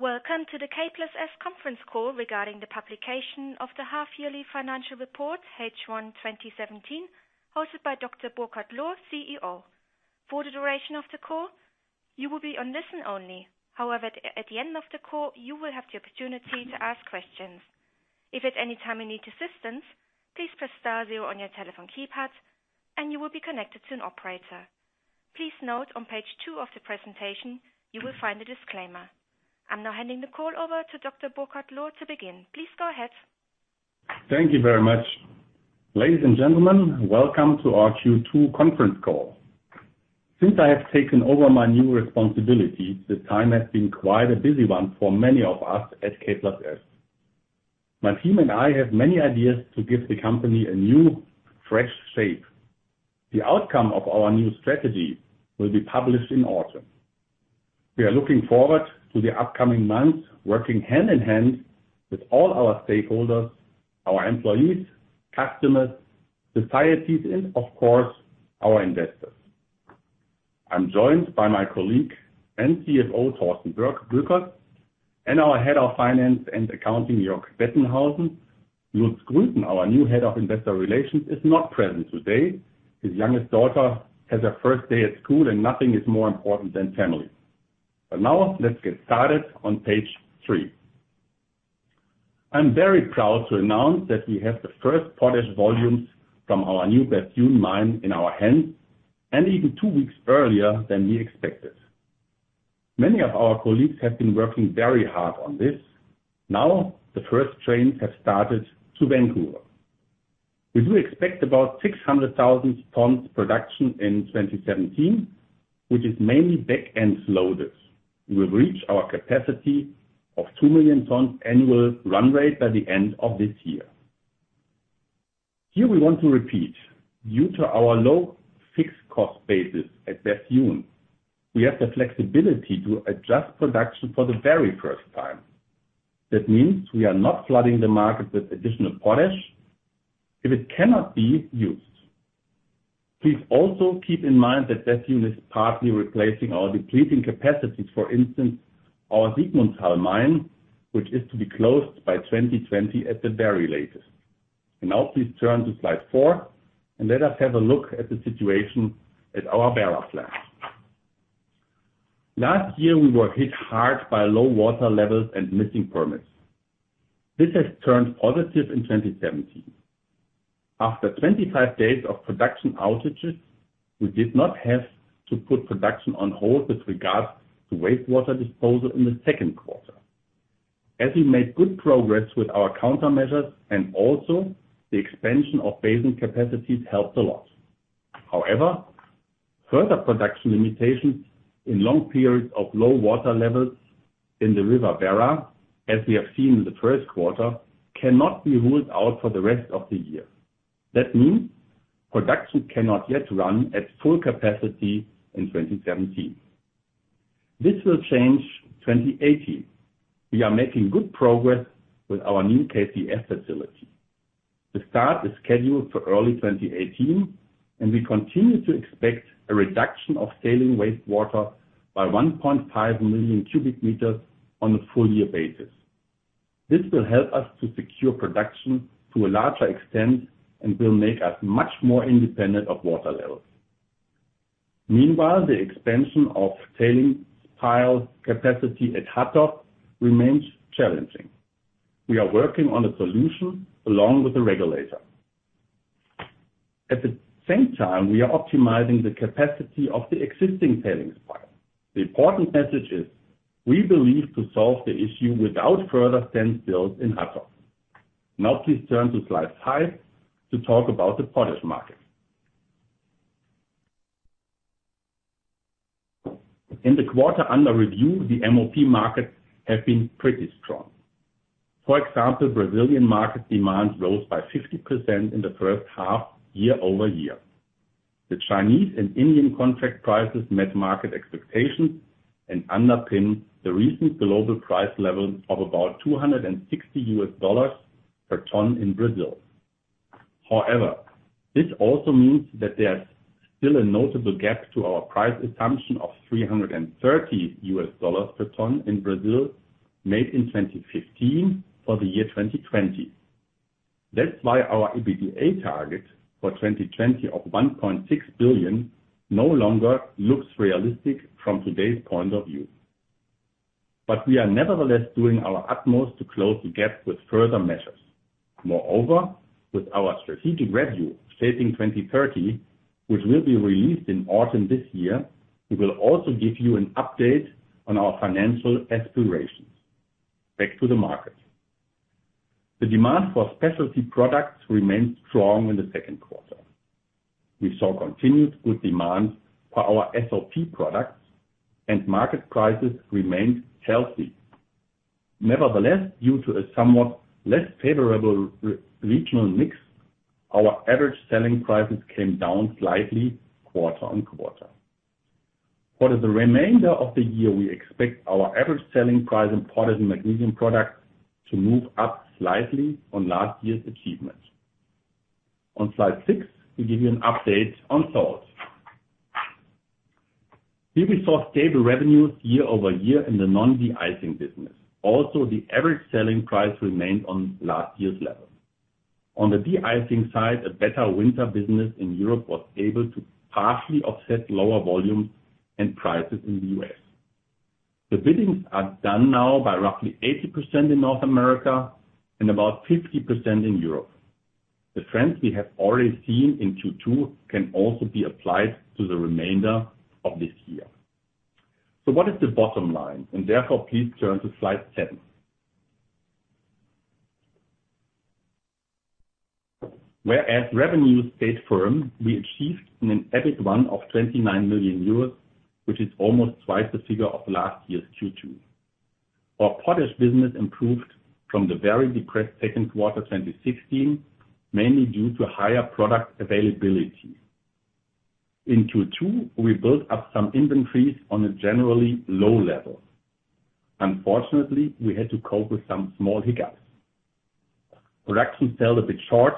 Welcome to the K+S conference call regarding the publication of the half-yearly financial report H1 2017, hosted by Dr. Burkhard Lohr, CEO. For the duration of the call, you will be on listen only. At the end of the call, you will have the opportunity to ask questions. If at any time you need assistance, please press star zero on your telephone keypad, and you will be connected to an operator. Please note on page two of the presentation, you will find a disclaimer. I am now handing the call over to Dr. Burkhard Lohr to begin. Please go ahead. Thank you very much. Ladies and gentlemen, welcome to our Q2 conference call. Since I have taken over my new responsibility, this time has been quite a busy one for many of us at K+S. My team and I have many ideas to give the company a new, fresh shape. The outcome of our new strategy will be published in autumn. We are looking forward to the upcoming months, working hand-in-hand with all our stakeholders, our employees, customers, societies, and of course, our investors. I am joined by my colleague and CFO, Thorsten Reuber, and our head of finance and accounting, Jörg Bettenhausen. Lutz Götte, our new head of investor relations, is not present today. His youngest daughter has her first day at school, and nothing is more important than family. Now, let us get started on page three. I am very proud to announce that we have the first potash volumes from our new Bethune mine in our hands and even 2 weeks earlier than we expected. Many of our colleagues have been working very hard on this. The first trains have started to Vancouver. We do expect about 600,000 tons production in 2017, which is mainly back-end loaded. We will reach our capacity of 2 million tons annual run rate by the end of this year. Here we want to repeat, due to our low fixed cost basis at Bethune, we have the flexibility to adjust production for the very first time. That means we are not flooding the market with additional potash if it cannot be used. Please also keep in mind that Bethune is partly replacing our depleting capacities, for instance, our Sigmundshall mine, which is to be closed by 2020 at the very latest. Now please turn to slide four, and let us have a look at the situation at our Werra plant. Last year, we were hit hard by low water levels and missing permits. This has turned positive in 2017. After 25 days of production outages, we did not have to put production on hold with regards to wastewater disposal in the second quarter, as we made good progress with our countermeasures and also the expansion of basin capacities helped a lot. Further production limitations in long periods of low water levels in the river Werra, as we have seen in the first quarter, cannot be ruled out for the rest of the year. That means production cannot yet run at full capacity in 2017. This will change 2018. We are making good progress with our new KCF facility. The start is scheduled for early 2018, and we continue to expect a reduction of tailing wastewater by 1.5 million cubic meters on a full year basis. This will help us to secure production to a larger extent and will make us much more independent of water levels. Meanwhile, the expansion of tailings pile capacity at Hattorf remains challenging. We are working on a solution along with the regulator. At the same time, we are optimizing the capacity of the existing tailings pile. The important message is, we believe to solve the issue without further dam builds in Hattorf. Now, please turn to slide five to talk about the potash market. In the quarter under review, the MOP markets have been pretty strong. For example, Brazilian market demand rose by 50% in the first half, year-over-year. The Chinese and Indian contract prices met market expectations and underpin the recent global price level of about $260 per ton in Brazil. However, this also means that there's still a notable gap to our price assumption of $330 per ton in Brazil made in 2015 for the year 2020. That's why our EBITDA target for 2020 of 1.6 billion no longer looks realistic from today's point of view. We are nevertheless doing our utmost to close the gap with further measures. Moreover, with our strategic review, Shaping 2030, which will be released in autumn this year, we will also give you an update on our financial aspirations. Back to the market. The demand for specialty products remained strong in the second quarter. We saw continued good demand for our SOP products and market prices remained healthy. Nevertheless, due to a somewhat less favorable regional mix, our average selling prices came down slightly quarter-on-quarter. For the remainder of the year, we expect our average selling price in potash and magnesium products to move up slightly on last year's achievements. On slide six, we give you an update on salt. Here we saw stable revenues year-over-year in the non-de-icing business. Also, the average selling price remained on last year's level. On the de-icing side, a better winter business in Europe was able to partially offset lower volumes and prices in the U.S. The biddings are done now by roughly 80% in North America and about 50% in Europe. The trends we have already seen in Q2 can also be applied to the remainder of this year. What is the bottom line? Therefore please turn to slide seven. Whereas revenues stayed firm, we achieved an EBIT 1 of 29 million euros, which is almost twice the figure of last year's Q2. Our potash business improved from the very depressed second quarter 2016, mainly due to higher product availability. In Q2, we built up some inventories on a generally low level. Unfortunately, we had to cope with some small hiccups. Production fell a bit short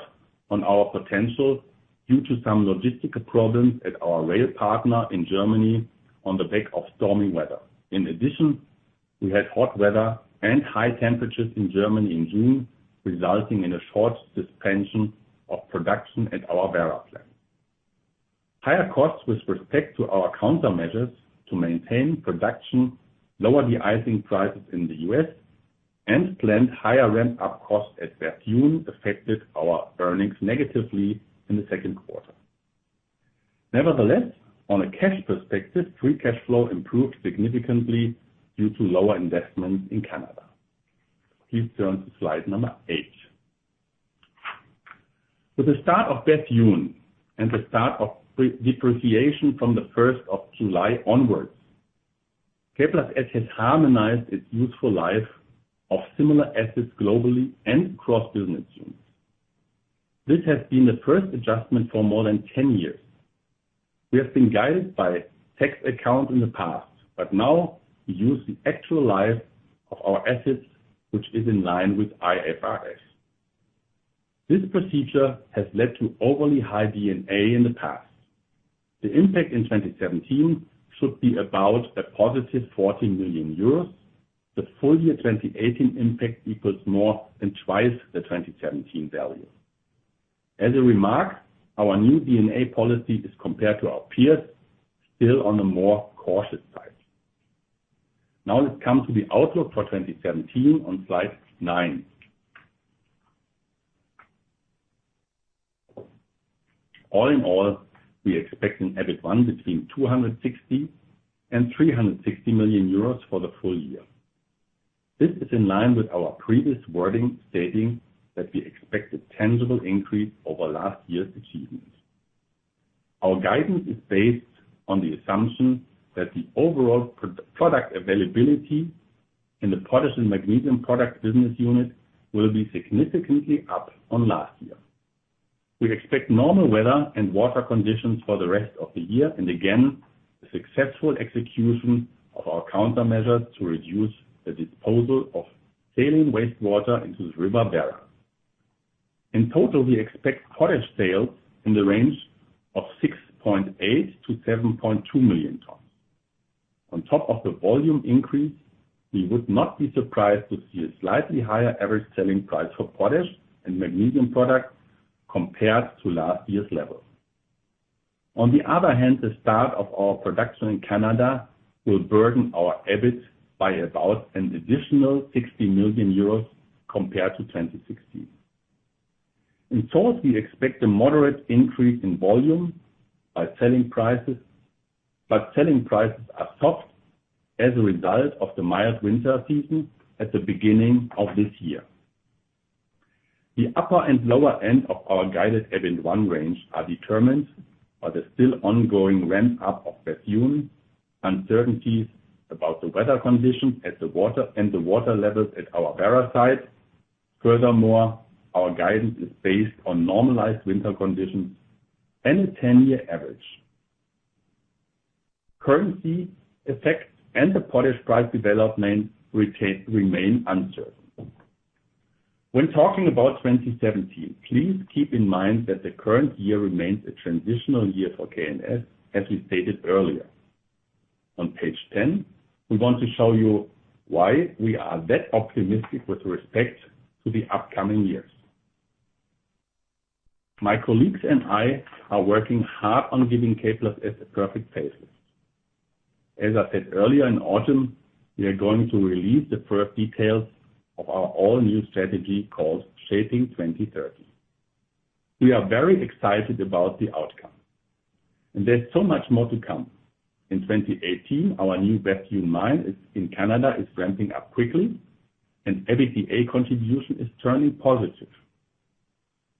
on our potential due to some logistical problems at our rail partner in Germany on the back of stormy weather. In addition, we had hot weather and high temperatures in Germany in June, resulting in a short suspension of production at our Werra plant. Higher costs with respect to our countermeasures to maintain production, lower de-icing prices in the U.S., and planned higher ramp-up costs at Bethune affected our earnings negatively in the second quarter. Nevertheless, on a cash perspective, free cash flow improved significantly due to lower investments in Canada. Please turn to slide eight. With the start of Bethune and the start of depreciation from the 1st of July onwards, K+S has harmonized its useful life of similar assets globally and cross-business units. This has been the first adjustment for more than 10 years. We have been guided by tax accounts in the past, but now we use the actual life of our assets, which is in line with IFRS. This procedure has led to overly high D&A in the past. The impact in 2017 should be about a positive 14 million euros. The full year 2018 impact equals more than twice the 2017 value. As a remark, our new D&A policy is, compared to our peers, still on the more cautious side. Let's come to the outlook for 2017 on slide nine. All in all, we expect an EBIT 1 between 260 million and 360 million euros for the full year. This is in line with our previous wording, stating that we expect a tangible increase over last year's achievements. Our guidance is based on the assumption that the overall product availability in the potash and magnesium product business unit will be significantly up on last year. We expect normal weather and water conditions for the rest of the year, and again, the successful execution of our countermeasures to reduce the disposal of saline wastewater into the River Werra. In total, we expect potash sales in the range of 6.8 million tons to 7.2 million tons. On top of the volume increase, we would not be surprised to see a slightly higher average selling price for potash and magnesium products compared to last year's levels. On the other hand, the start of our production in Canada will burden our EBIT by about an additional 60 million euros compared to 2016. In salt, we expect a moderate increase in volume, but selling prices are soft as a result of the mild winter season at the beginning of this year. The upper and lower end of our guided EBIT 1 range are determined by the still ongoing ramp-up of Bethune, uncertainties about the weather conditions and the water levels at our Werra site. Furthermore, our guidance is based on normalized winter conditions and a 10-year average. Currency effects and the potash price development remain uncertain. When talking about 2017, please keep in mind that the current year remains a transitional year for K+S, as we stated earlier. On page 10, we want to show you why we are that optimistic with respect to the upcoming years. My colleagues and I are working hard on giving K+S the perfect facelift. As I said earlier, in autumn, we are going to release the first details of our all-new strategy called Shaping 2030. We are very excited about the outcome, and there's so much more to come. In 2018, our new Bethune mine in Canada is ramping up quickly, and EBITDA contribution is turning positive.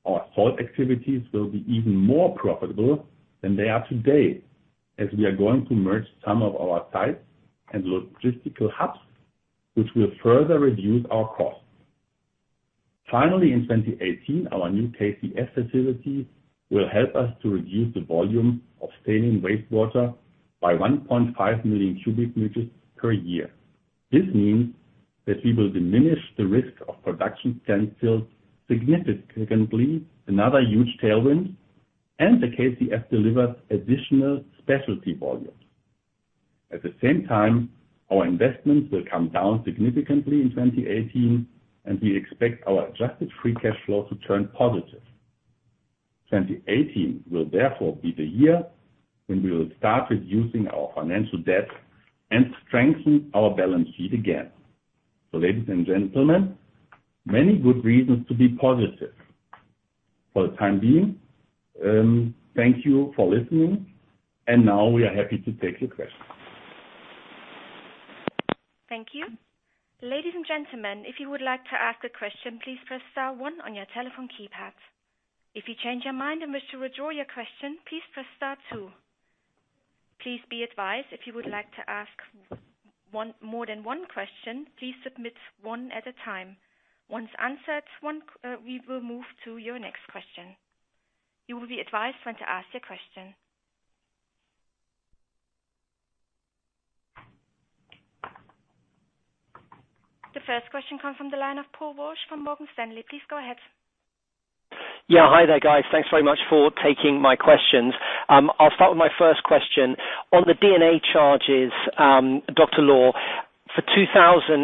Our salt activities will be even more profitable than they are today, as we are going to merge some of our sites and logistical hubs, which will further reduce our costs. In 2018, our new KCF facility will help us to reduce the volume of saline wastewater by 1.5 million cubic meters per year. This means that we will diminish the risk of production standstill significantly, another huge tailwind, and that K+S delivers additional specialty volumes. At the same time, our investments will come down significantly in 2018, and we expect our adjusted free cash flow to turn positive. 2018 will therefore be the year when we will start reducing our financial debt and strengthen our balance sheet again. Ladies and gentlemen, many good reasons to be positive. For the time being, thank you for listening. Now we are happy to take your questions. Thank you. Ladies and gentlemen, if you would like to ask a question, please press star one on your telephone keypad. If you change your mind and wish to withdraw your question, please press star two. Please be advised, if you would like to ask more than one question, please submit one at a time. Once answered, we will move to your next question. You will be advised when to ask your question. The first question comes from the line of Paul Walsh from Morgan Stanley. Please go ahead. Hi there, guys. Thanks very much for taking my questions. I'll start with my first question. On the D&A charges, Dr. Lohr, for 2017,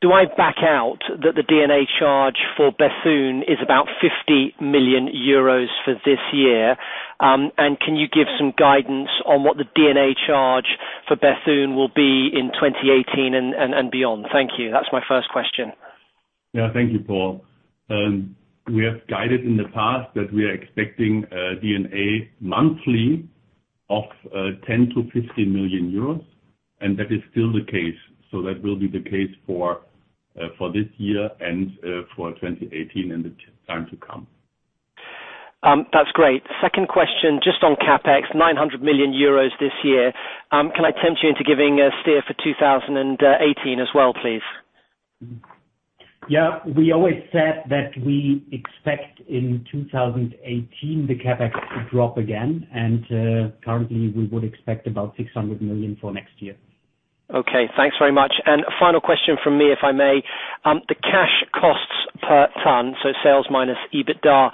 do I back out that the D&A charge for Bethune is about 50 million euros for this year? Can you give some guidance on what the D&A charge for Bethune will be in 2018 and beyond? Thank you. That's my first question. Thank you, Paul. We have guided in the past that we are expecting D&A monthly of 10 million-50 million euros. That is still the case. That will be the case for this year and for 2018 and the time to come. That's great. Second question, just on CapEx, 900 million euros this year. Can I tempt you into giving a steer for 2018 as well, please? Yeah. We always said that we expect in 2018 the CapEx to drop again. Currently we would expect about 600 million for next year. Okay. Thanks very much. A final question from me, if I may. The cash costs per ton, so sales minus EBITDA,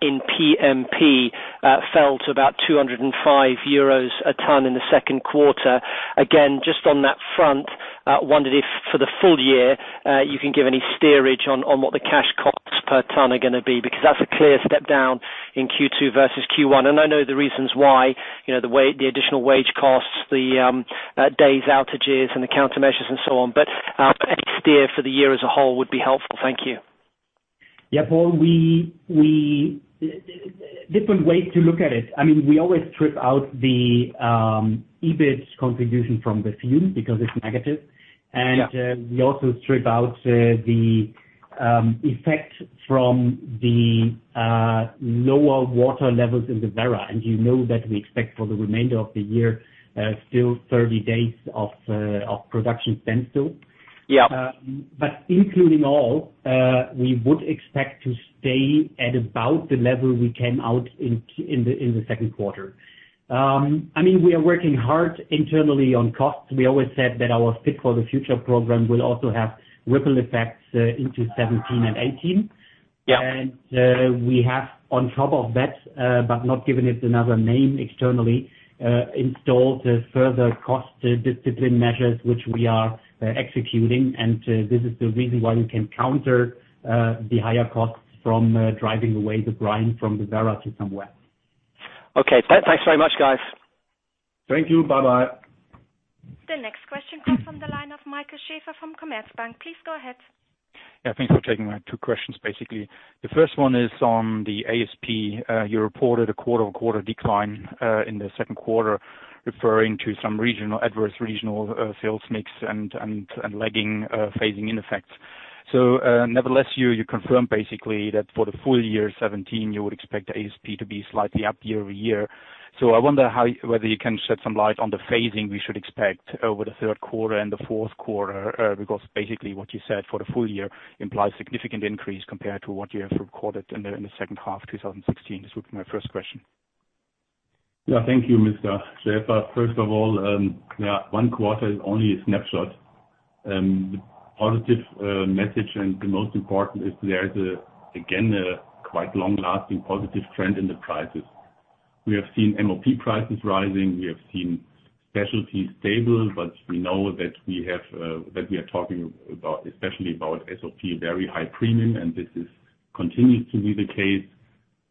in PMP fell to about 205 euros a ton in the second quarter. Again, just on that front, I wondered if for the full year, you can give any steerage on what the cash costs per ton are going to be, because that's a clear step down in Q2 versus Q1. I know the reasons why, the additional wage costs, the days outages and the countermeasures and so on. Any steer for the year as a whole would be helpful. Thank you. Yeah, Paul. Different way to look at it. We always strip out the EBIT contribution from Bethune because it's negative. Yeah. We also strip out the effect from the lower water levels in the Werra, you know that we expect for the remainder of the year still 30 days of production standstill. Yeah. Including all, we would expect to stay at about the level we came out in the second quarter. We are working hard internally on costs. We always said that our Fit for the Future program will also have ripple effects into 2017 and 2018. Yeah. We have on top of that, but not given it another name externally, installed further cost discipline measures which we are executing, and this is the reason why you can counter the higher costs from driving away the brine from the Werra to somewhere. Okay. Thanks very much, guys. Thank you. Bye-bye. The next question comes from the line of Michael Schäfer from Commerzbank. Please go ahead. Thanks for taking my two questions, basically. The first one is on the ASP. You reported a quarter-on-quarter decline in the second quarter, referring to some adverse regional sales mix and lagging phasing in effects. Nevertheless, you confirm basically that for the full year 2017, you would expect the ASP to be slightly up year-over-year. I wonder whether you can shed some light on the phasing we should expect over the third quarter and the fourth quarter, because basically what you said for the full year implies significant increase compared to what you have recorded in the second half 2016. This was my first question. Thank you, Mr. Schäfer. First of all, one quarter is only a snapshot. Positive message and the most important is there is, again, a quite long-lasting positive trend in the prices. We have seen MOP prices rising, we have seen specialty stable, but we know that we are talking especially about SOP very high premium, and this continues to be the case.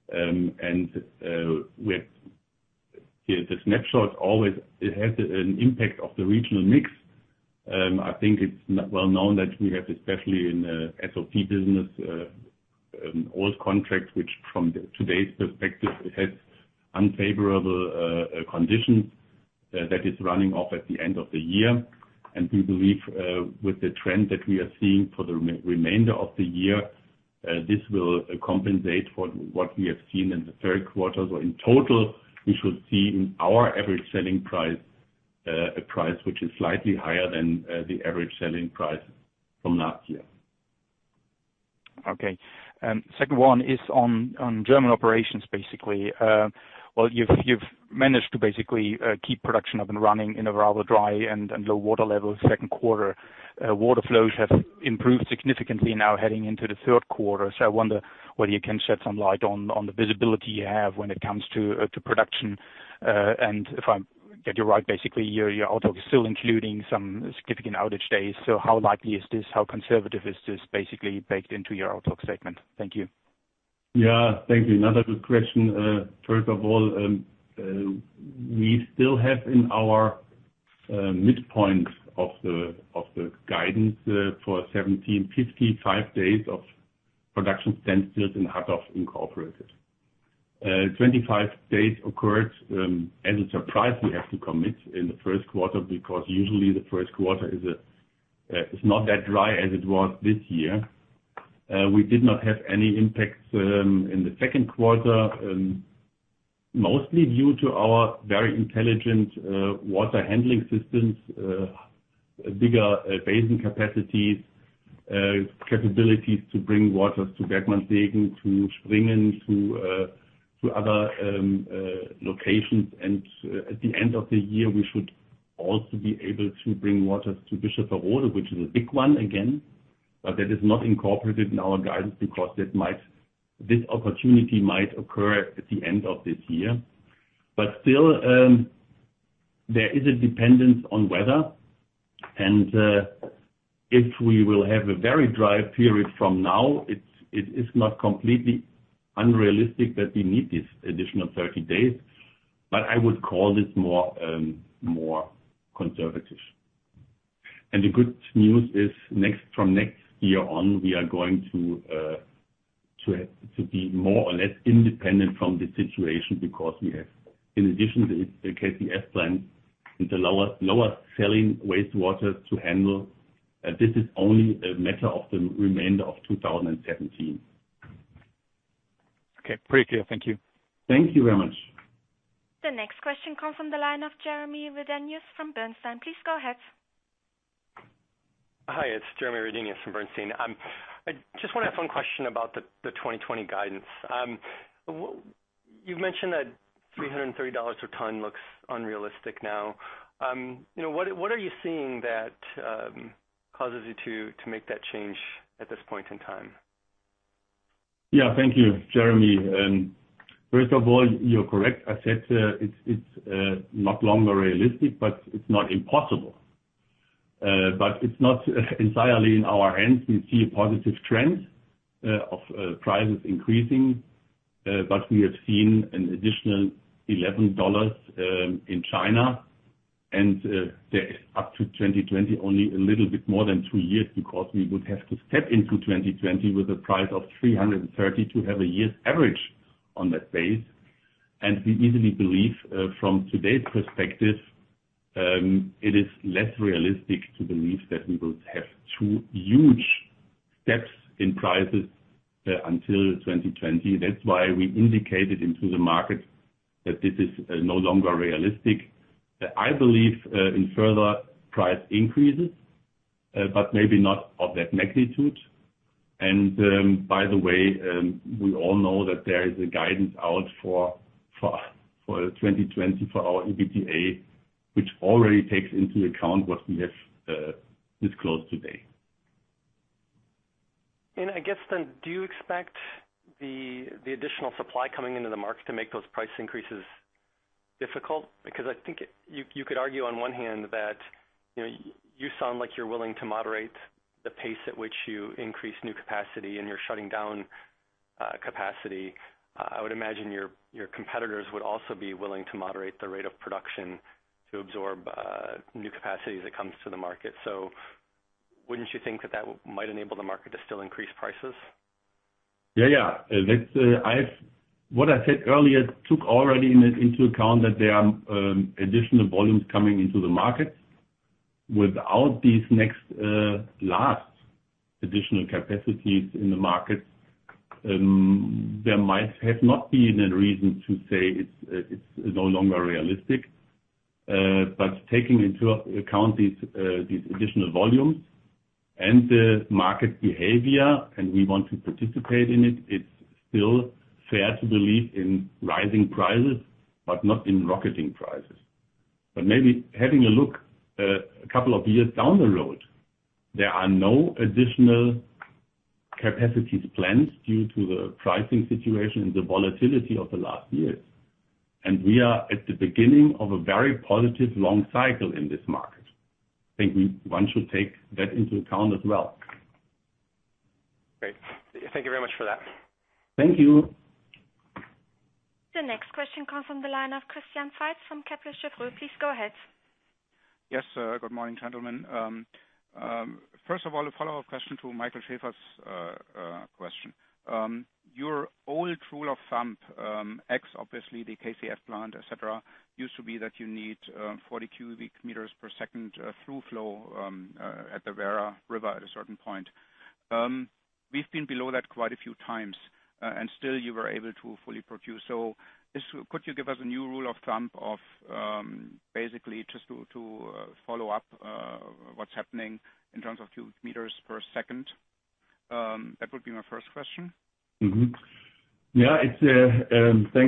The snapshot always has an impact of the regional mix. I think it's well known that we have, especially in the SOP business, old contracts which from today's perspective have unfavorable conditions that is running off at the end of the year. We believe with the trend that we are seeing for the remainder of the year, this will compensate for what we have seen in the third quarter. In total, we should see in our average selling price, a price which is slightly higher than the average selling price from last year. Okay. Second one is on German operations, basically. You've managed to basically keep production up and running in a rather dry and low water level second quarter. Water flows have improved significantly now heading into the third quarter. I wonder whether you can shed some light on the visibility you have when it comes to production. If I get you right, basically, your outlook is still including some significant outage days. How likely is this? How conservative is this basically baked into your outlook statement? Thank you. Yeah. Thank you. Another good question. First of all, we still have in our midpoint of the guidance for [1,755 days of production standstills] in Hattorf incorporated. 25 days occurred as a surprise we have to commit in the first quarter because usually the first quarter is not that dry as it was this year. We did not have any impacts in the second quarter, mostly due to our very intelligent water handling systems, bigger basin capacities, capabilities to bring waters to Bergmannssegen, to Springen, to other locations. At the end of the year, we should also be able to bring waters to Bischofferode, which is a big one again, that is not incorporated in our guidance because this opportunity might occur at the end of this year. Still, there is a dependence on weather. If we will have a very dry period from now, it is not completely unrealistic that we need this additional 30 days. I would call this more conservative. The good news is from next year on, we are going to be more or less independent from the situation because we have, in addition to the KCF plant, the lower selling wastewater to handle. This is only a matter of the remainder of 2017. Okay. Pretty clear. Thank you. Thank you very much. The next question comes from the line of Jeremy Redenius from Bernstein. Please go ahead. Hi, it's Jeremy Redenius from Bernstein. I just want to have one question about the 2020 guidance. You've mentioned that EUR 330 a ton looks unrealistic now. What are you seeing that causes you to make that change at this point in time? Thank you, Jeremy. First of all, you're correct. I said it's no longer realistic, but it's not impossible. It's not entirely in our hands. We see a positive trend of prices increasing, but we have seen an additional $11 in China, and there is up to 2020, only a little bit more than 2 years, because we would have to step into 2020 with a price of $330 to have a year's average on that base. We easily believe, from today's perspective, it is less realistic to believe that we will have 2 huge steps in prices until 2020. That's why we indicated into the market that this is no longer realistic. I believe in further price increases, but maybe not of that magnitude. By the way, we all know that there is a guidance out for 2020 for our EBITDA, which already takes into account what we have disclosed today. I guess then, do you expect the additional supply coming into the market to make those price increases difficult? Because I think you could argue on one hand that, you sound like you're willing to moderate the pace at which you increase new capacity and you're shutting down capacity. I would imagine your competitors would also be willing to moderate the rate of production to absorb new capacity as it comes to the market. Wouldn't you think that that might enable the market to still increase prices? What I said earlier took already into account that there are additional volumes coming into the market. Without these next last additional capacities in the market, there might have not been a reason to say it's no longer realistic. Taking into account these additional volumes and the market behavior, and we want to participate in it's still fair to believe in rising prices, but not in rocketing prices. Maybe having a look a couple of years down the road, there are no additional capacities planned due to the pricing situation and the volatility of the last years. We are at the beginning of a very positive long cycle in this market. I think one should take that into account as well. Great. Thank you very much for that. Thank you. The next question comes from the line of Christian Veith from Kepler Cheuvreux. Please go ahead. Yes. Good morning, gentlemen. First of all, a follow-up question to Michael Schäfer's question. Your old rule of thumb, X, obviously the KCF plant, et cetera, used to be that you need 40 cubic meters per second through flow at the Werra River at a certain point. We've been below that quite a few times, and still you were able to fully produce. Could you give us a new rule of thumb of basically just to follow up what's happening in terms of cubic meters per second? That would be my first question. Thank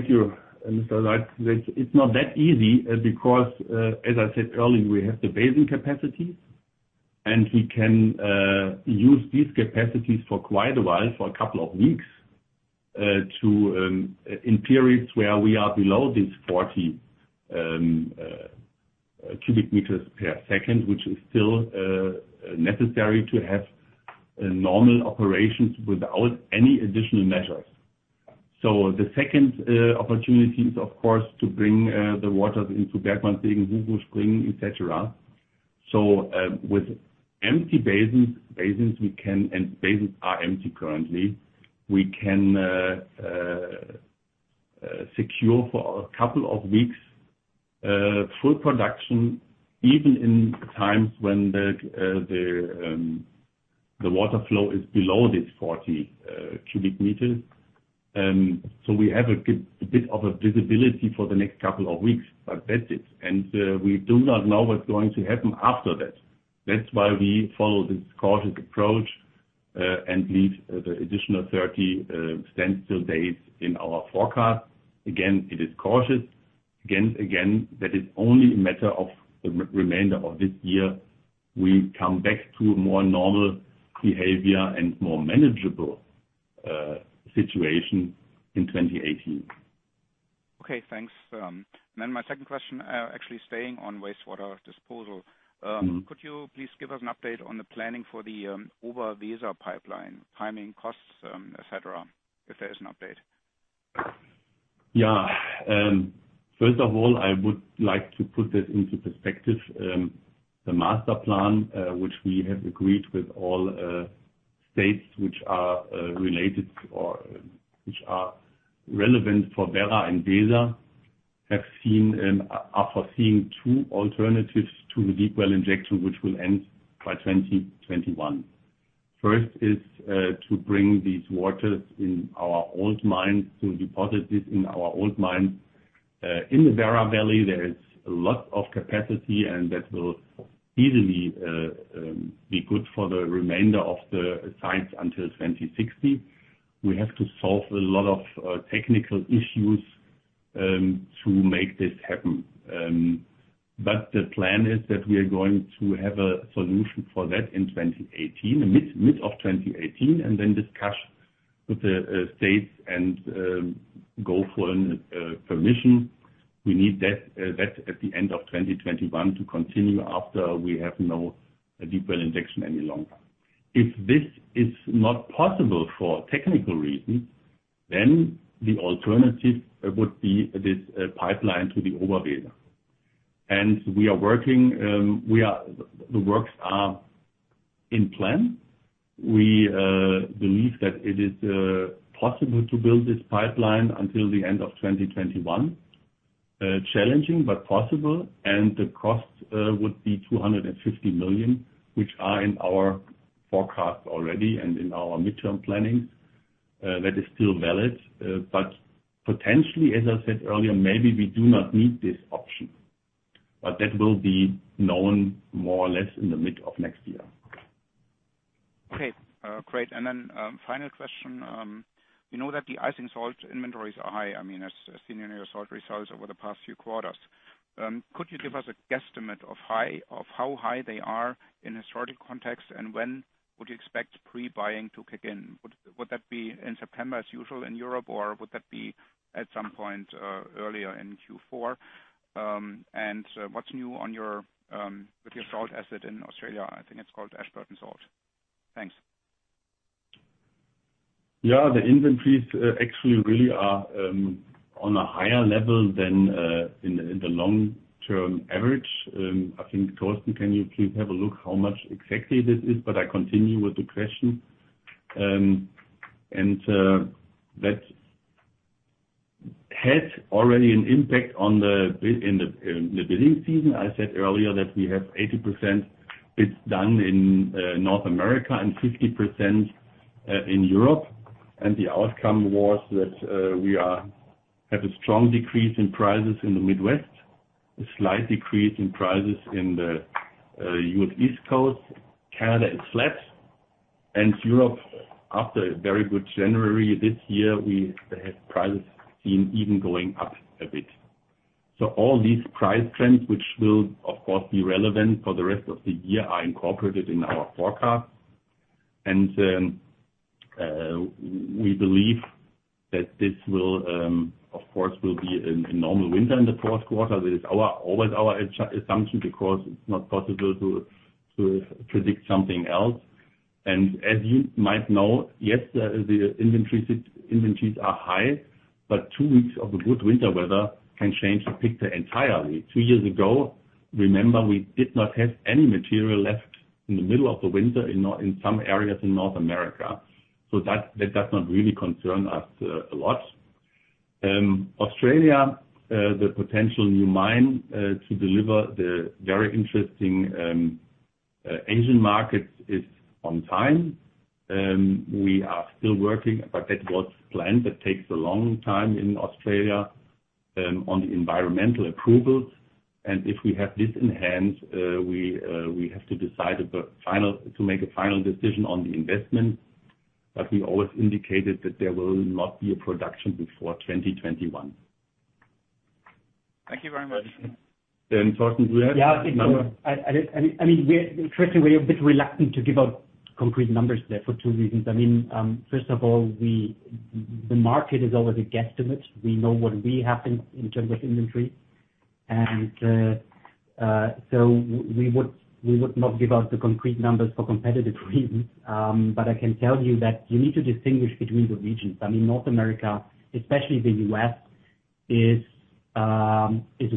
you, Mr. Veith. It's not that easy because, as I said earlier, we have the basin capacity, and we can use these capacities for quite a while, for a couple of weeks, in periods where we are below these 40 cubic meters per second, which is still necessary to have normal operations without any additional measures. The second opportunity is, of course, to bring the waters into Bergmannsee, [Wuhlsee], et cetera. With empty basins, and basins are empty currently, we can secure for a couple of weeks full production, even in times when the water flow is below these 40 cubic meters. We have a bit of a visibility for the next couple of weeks, but that's it. We do not know what's going to happen after that. That's why we follow this cautious approach, and leave the additional 30 standstill days in our forecast. Again, it is cautious. Again, that is only a matter of the remainder of this year. We come back to a more normal behavior and more manageable situation in 2018. Okay, thanks. My second question, actually staying on wastewater disposal. Could you please give us an update on the planning for the Oberweser pipeline, timing, costs, et cetera, if there is an update? Yeah. First of all, I would like to put this into perspective. The master plan, which we have agreed with all states which are relevant for Werra and Weser, are foreseeing two alternatives to the deep well injection, which will end by 2021. First is to bring these waters in our old mines, to deposit this in our old mines. In the Werra Valley, there is a lot of capacity, and that will easily be good for the remainder of the sites until 2060. The plan is that we are going to have a solution for that in mid of 2018, and then discuss with the states and go for permission. We need that at the end of 2021 to continue after we have no deep well injection any longer. If this is not possible for technical reasons, then the alternative would be this pipeline to the Oberweser. The works are in plan. We believe that it is possible to build this pipeline until the end of 2021. Challenging, but possible, and the cost would be 250 million, which are in our forecast already and in our midterm planning. That is still valid. Potentially, as I said earlier, maybe we do not need this option. That will be known more or less in the mid of next year. Okay. Great. Final question. We know that the icing salt inventories are high. I mean, as seen in your salt results over the past few quarters. Could you give us a guesstimate of how high they are in a historic context, and when would you expect pre-buying to kick in? Would that be in September as usual in Europe, or would that be at some point earlier in Q4? What's new with your salt asset in Australia? I think it's called Ashburton Salt. Thanks. The inventories actually really are on a higher level than in the long-term average. I think, Thorsten, can you please have a look how much exactly this is, but I continue with the question. That had already an impact in the bidding season. I said earlier that we have 80% bids done in North America and 50% in Europe, and the outcome was that we have a strong decrease in prices in the Midwest, a slight decrease in prices in the U.S. East Coast. Canada is flat. Europe, after a very good January this year, we have prices seen even going up a bit. All these price trends, which will of course be relevant for the rest of the year, are incorporated in our forecast. We believe that this will, of course, be a normal winter in the fourth quarter. That is always our assumption, because it is not possible to predict something else. As you might know, yes, the inventories are high, but two weeks of a good winter weather can change the picture entirely. Two years ago, remember, we did not have any material left in the middle of the winter in some areas in North America. That does not really concern us a lot. Australia, the potential new mine, to deliver the very interesting Asian markets is on time. We are still working, but that was planned. That takes a long time in Australia. On the environmental approvals, and if we have this in hand, we have to make a final decision on the investment, but we always indicated that there will not be a production before 2021. Thank you very much. Thorsten, do you have a number? I mean, we are a bit reluctant to give out concrete numbers there for two reasons. First of all, the market is always a guesstimate. We know what will be happening in terms of inventory. So we would not give out the concrete numbers for competitive reasons, but I can tell you that you need to distinguish between the regions. North America, especially the U.S., is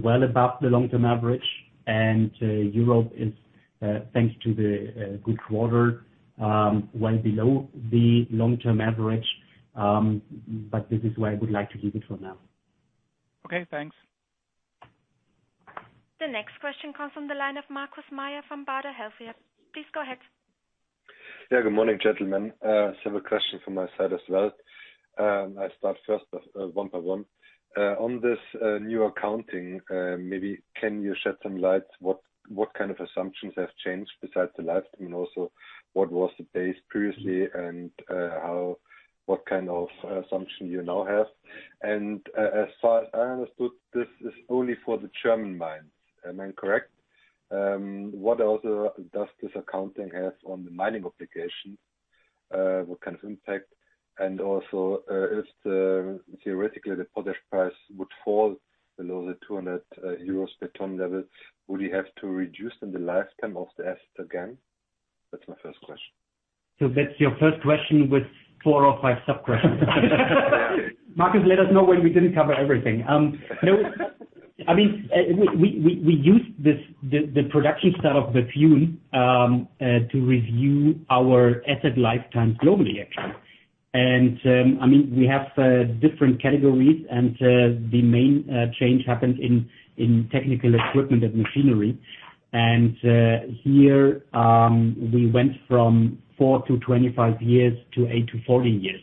well above the long-term average. Europe is, thanks to the good quarter, well below the long-term average. This is where I would like to leave it for now. Okay, thanks. The next question comes from the line of Markus Mayer from Baader Helvea. Please go ahead. Yeah. Good morning, gentlemen. Several questions from my side as well. I start first, one by one. On this new accounting, maybe can you shed some light what kind of assumptions have changed besides the lifetime, and also what was the base previously and what kind of assumption you now have? As far as I understood, this is only for the German mines. Am I correct? What else does this accounting have on the mining obligations? What kind of impact? Also, if theoretically the potash price would fall below the 200 euros per ton level, would you have to reduce then the lifetime of the asset again? That's my first question. That's your first question with four or five sub-questions. Markus, let us know when we didn't cover everything. We used the production start-up of Bethune to review our asset lifetimes globally, actually. We have different categories and the main change happened in technical equipment of machinery. Here, we went from four to 25 years to eight to 14 years.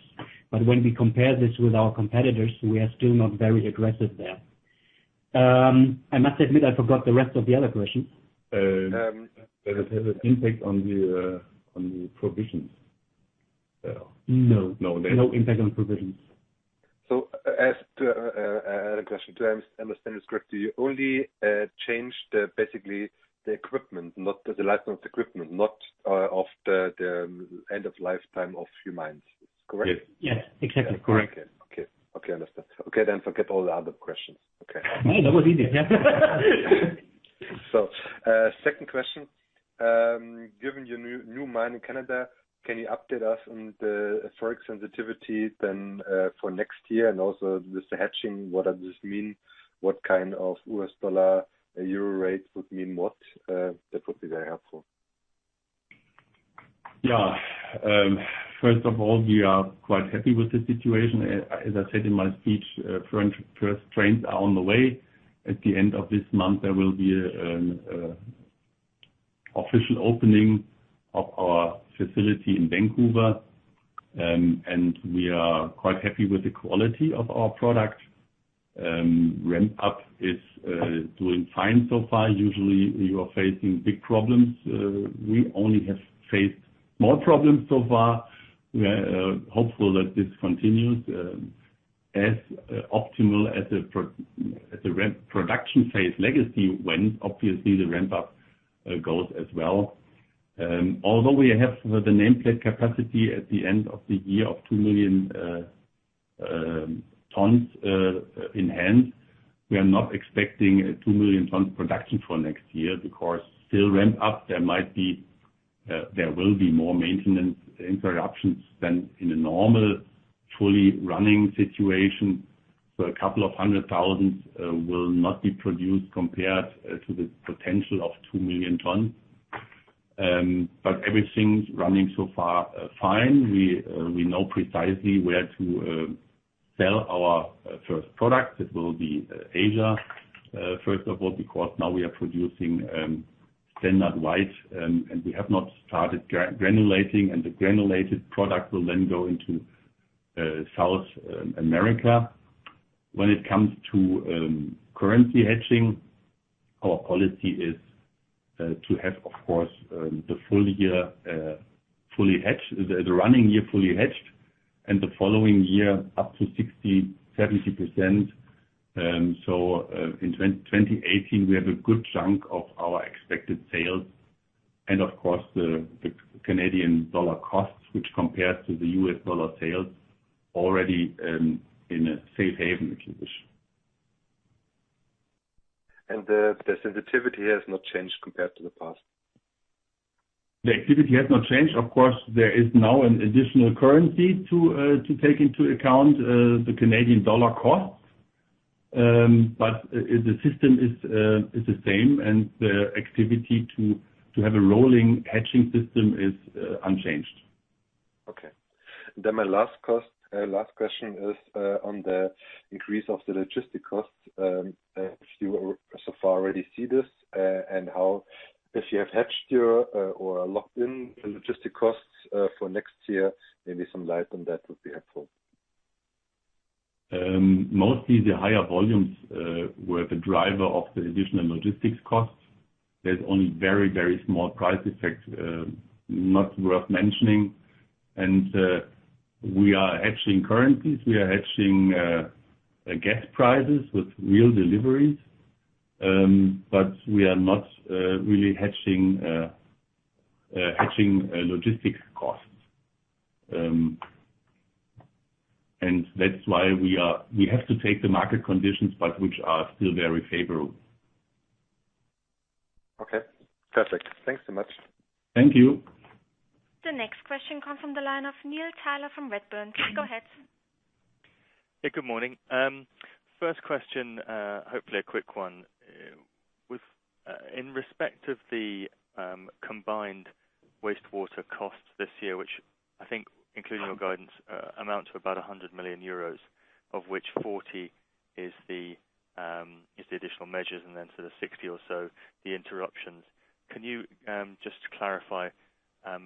When we compare this with our competitors, we are still not very aggressive there. I must admit I forgot the rest of the other questions. Does it have an impact on the provisions? No. No. No impact on provisions. As to another question, do I understand this correctly? You only changed basically the equipment, the lifetime of the equipment, not of the end of lifetime of your mines. Correct? Yes. Exactly correct. Okay. Understood. Okay, forget all the other questions. Okay. That was easy. Yeah. Second question, given your new mine in Canada, can you update us on the forex sensitivity then, for next year, and also with the hedging, what does this mean? What kind of U.S. dollar, euro rate would mean what? That would be very helpful. First of all, we are quite happy with the situation. As I said in my speech, first trains are on the way. At the end of this month, there will be an official opening of our facility in Vancouver. We are quite happy with the quality of our product. Ramp up is doing fine so far. Usually, you are facing big problems. We only have faced small problems so far. We are hopeful that this continues as optimal as the production phase Legacy went. Obviously, the ramp up goes as well. Although we have the nameplate capacity at the end of the year of 2 million tons in hand, we are not expecting a 2-million-ton production for next year because still ramp up, there will be more maintenance interruptions than in a normal, fully running situation. A couple of hundred thousand will not be produced compared to the potential of 2 million tons. Everything's running so far fine. We know precisely where to sell our first product. It will be Asia, first of all, because now we are producing standard white, and we have not started granulating, and the granulated product will then go into South America. When it comes to currency hedging, our policy is to have, of course, the running year fully hedged and the following year up to 60%-70%. In 2018, we have a good chunk of our expected sales and of course, the Canadian dollar costs, which compared to the U.S. dollar sales, already in a safe haven, if you wish. The sensitivity has not changed compared to the past? The activity has not changed. Of course, there is now an additional currency to take into account, the CAD cost. The system is the same, the activity to have a rolling hedging system is unchanged. Okay. My last question is on the increase of the logistic costs. So far already see this. If you have hedged or locked in the logistic costs for next year, maybe some light on that would be helpful. Mostly the higher volumes were the driver of the additional logistics costs. There's only very small price effects, not worth mentioning. We are hedging currencies. We are hedging gas prices with real deliveries, we are not really hedging logistic costs. That's why we have to take the market conditions, which are still very favorable. Okay, perfect. Thanks so much. Thank you. The next question comes from the line of Neil Tyler from Redburn. Please go ahead. Hey, good morning. First question, hopefully a quick one. In respect of the combined wastewater costs this year, which I think including your guidance, amount to about 100 million euros, of which 40 million is the additional measures, and then sort of 60 million or so the interruptions. Can you just clarify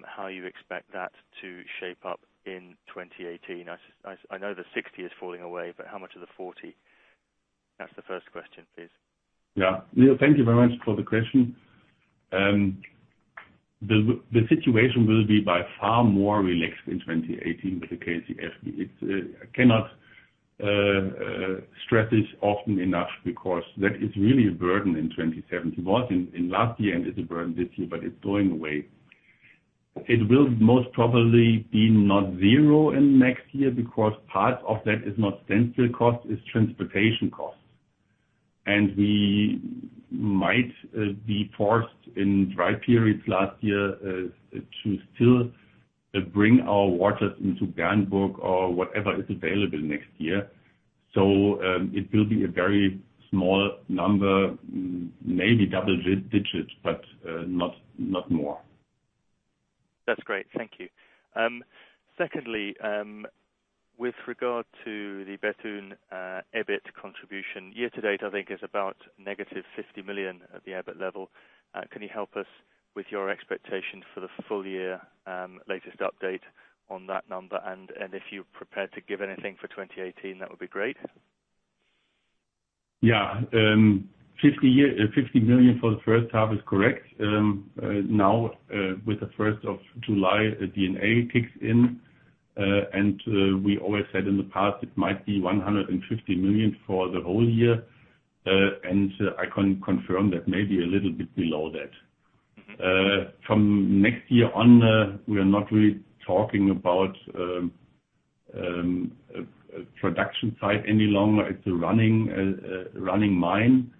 how you expect that to shape up in 2018? I know the 60 million is falling away, but how much of the 40 million? That's the first question, please. Yeah. Neil, thank you very much for the question. The situation will be by far more relaxed in 2018 with the KCF. I cannot stress this often enough because that is really a burden in 2017. Was in last year and is a burden this year, but it's going away. It will most probably be not zero in next year because part of that is not sensory cost, it's transportation costs. We might be forced in dry periods last year, to still bring our waters into Bernburg or whatever is available next year. It will be a very small number, maybe double digits, but not more. That's great. Thank you. Secondly, with regard to the Bethune EBIT contribution, year to date, I think is about negative 50 million at the EBIT level. Can you help us with your expectation for the full year, latest update on that number, and if you're prepared to give anything for 2018, that would be great. Yeah. 50 million for the first half is correct. Now, with the 1st of July, the D&A kicks in. We always said in the past it might be 150 million for the whole year, and I can confirm that maybe a little bit below that. From next year on, we are not really talking about a production site any longer. It's a running mine,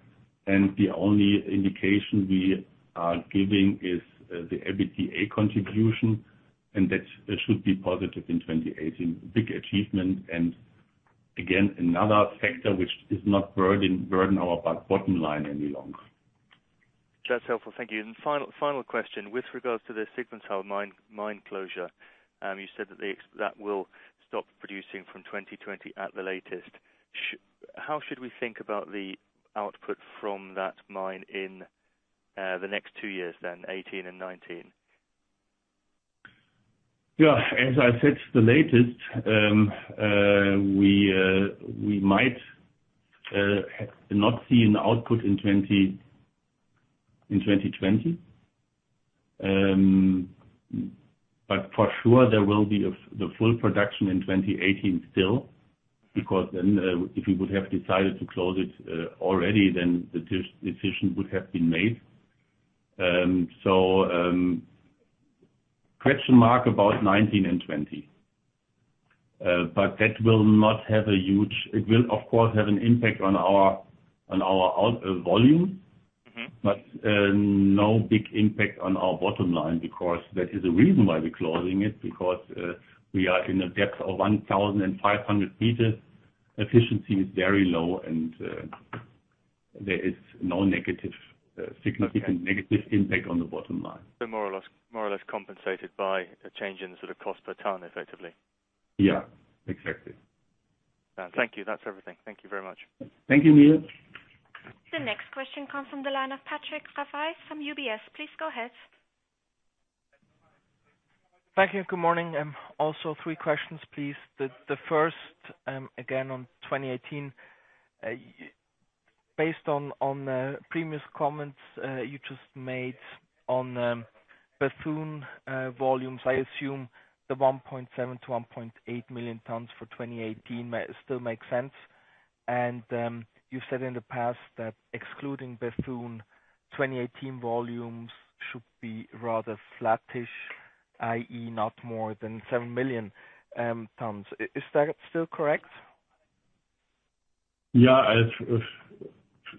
and the only indication we are giving is the EBITDA contribution, and that should be positive in 2018. Big achievement, again, another factor which is not burden our bottom line any longer. That's helpful. Thank you. Final question. With regards to the Sigmundshall mine closure, you said that will stop producing from 2020 at the latest. How should we think about the output from that mine in the next two years then, 2018 and 2019? Yeah. As I said, the latest, we might not see an output in 2020. For sure there will be the full production in 2018 still, because then, if we would have decided to close it already, then the decision would have been made. Question mark about 2019 and 2020. It will, of course, have an impact on our volume- No big impact on our bottom line because there is a reason why we're closing it, because we are in a depth of 1,500 meters. Efficiency is very low, and there is no significant negative impact on the bottom line. More or less compensated by a change in the sort of cost per ton, effectively. Yeah, exactly. Thank you. That's everything. Thank you very much. Thank you, Neil. The next question comes from the line of Patrick Rafaisz from UBS. Please go ahead. Thank you. Good morning. Three questions, please. The first, again on 2018. Based on the previous comments you just made on Bethune volumes, I assume the 1.7 to 1.8 million tons for 2018 still makes sense. You said in the past that excluding Bethune 2018 volumes should be rather flattish, i.e., not more than seven million tons. Is that still correct? Yeah.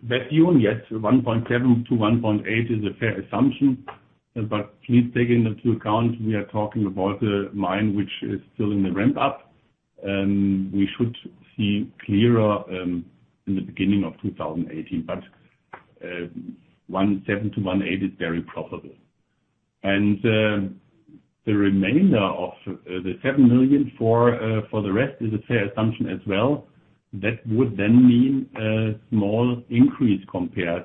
Bethune, yes, 1.7 to 1.8 is a fair assumption, please take into account we are talking about the mine which is still in the ramp up. We should see clearer in the beginning of 2018, 1.7 to 1.8 is very probable. The remainder of the seven million for the rest is a fair assumption as well. That would then mean a small increase compared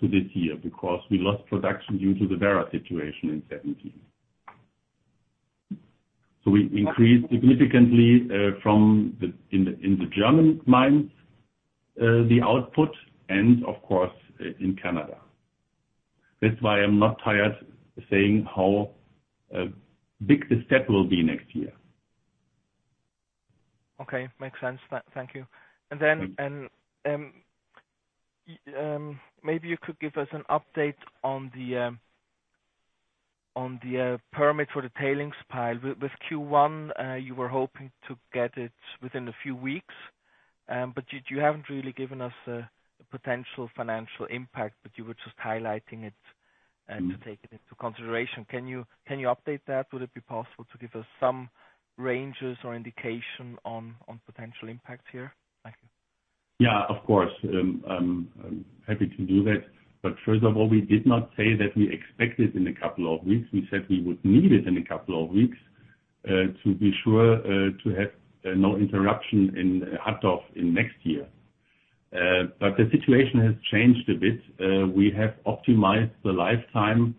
to this year because we lost production due to the Werra situation in 2017. We increased significantly from in the German mines, the output and of course in Canada. That's why I'm not tired saying how big the step will be next year. Okay. Makes sense. Thank you. Maybe you could give us an update on the permit for the tailings pile. With Q1, you were hoping to get it within a few weeks. You haven't really given us a potential financial impact, but you were just highlighting it to take it into consideration. Can you update that? Would it be possible to give us some ranges or indication on potential impact here? Thank you. Yeah, of course. I'm happy to do that. First of all, we did not say that we expect it in a couple of weeks. We said we would need it in a couple of weeks, to be sure to have no interruption in Hattorf in next year. The situation has changed a bit. We have optimized the lifetime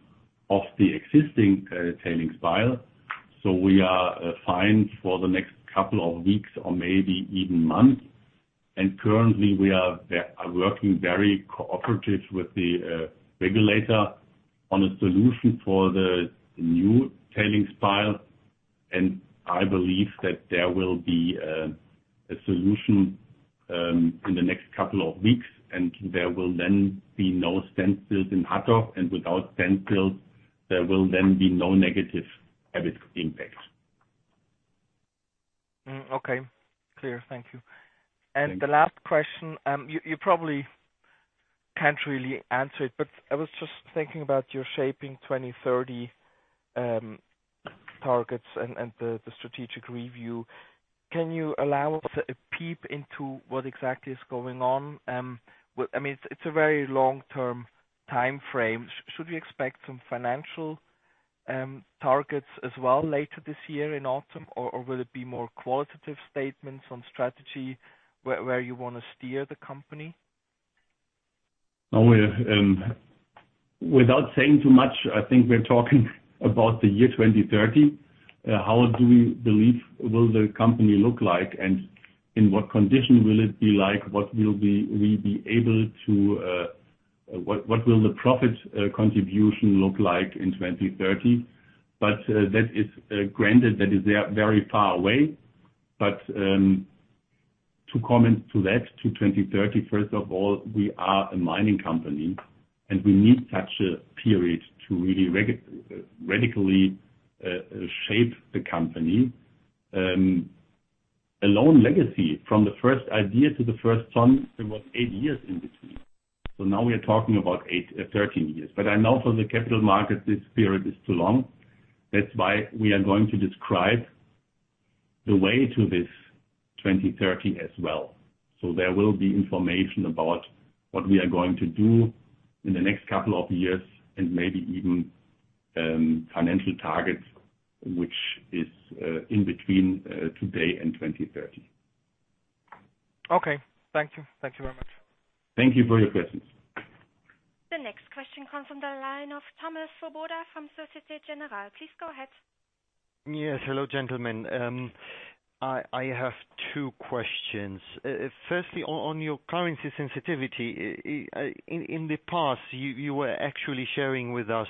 of the existing tailings pile, we are fine for the next couple of weeks or maybe even months. Currently we are working very cooperative with the regulator on a solution for the new tailings pile, I believe that there will be a solution in the next couple of weeks, there will then be no standstill in Hattorf, without standstill, there will then be no negative impact. Okay. Clear. Thank you. Thank you. The last question, you probably can't really answer it, but I was just thinking about your Shaping 2030 targets and the strategic review. Can you allow us a peep into what exactly is going on? It's a very long-term timeframe. Should we expect some financial targets as well later this year in autumn? Will it be more qualitative statements on strategy where you want to steer the company? Without saying too much, I think we're talking about the year 2030. How do we believe will the company look like, and in what condition will it be like? What will the profit contribution look like in 2030? That is granted, that is very far away. To comment to that, to 2030, first of all, we are a mining company and we need such a period to really radically shape the company. Alone Bethune from the first idea to the first ton, there was eight years in between. Now we are talking about 13 years. But I know for the capital market, this period is too long. That's why we are going to describe the way to this 2030 as well. There will be information about what we are going to do in the next couple of years and maybe even financial targets, which is in between today and 2030. Okay. Thank you. Thank you very much. Thank you for your questions. The next question comes from the line of Thomas Swoboda from Societe Generale. Please go ahead. Yes. Hello, gentlemen. I have two questions. Firstly, on your currency sensitivity. In the past, you were actually sharing with us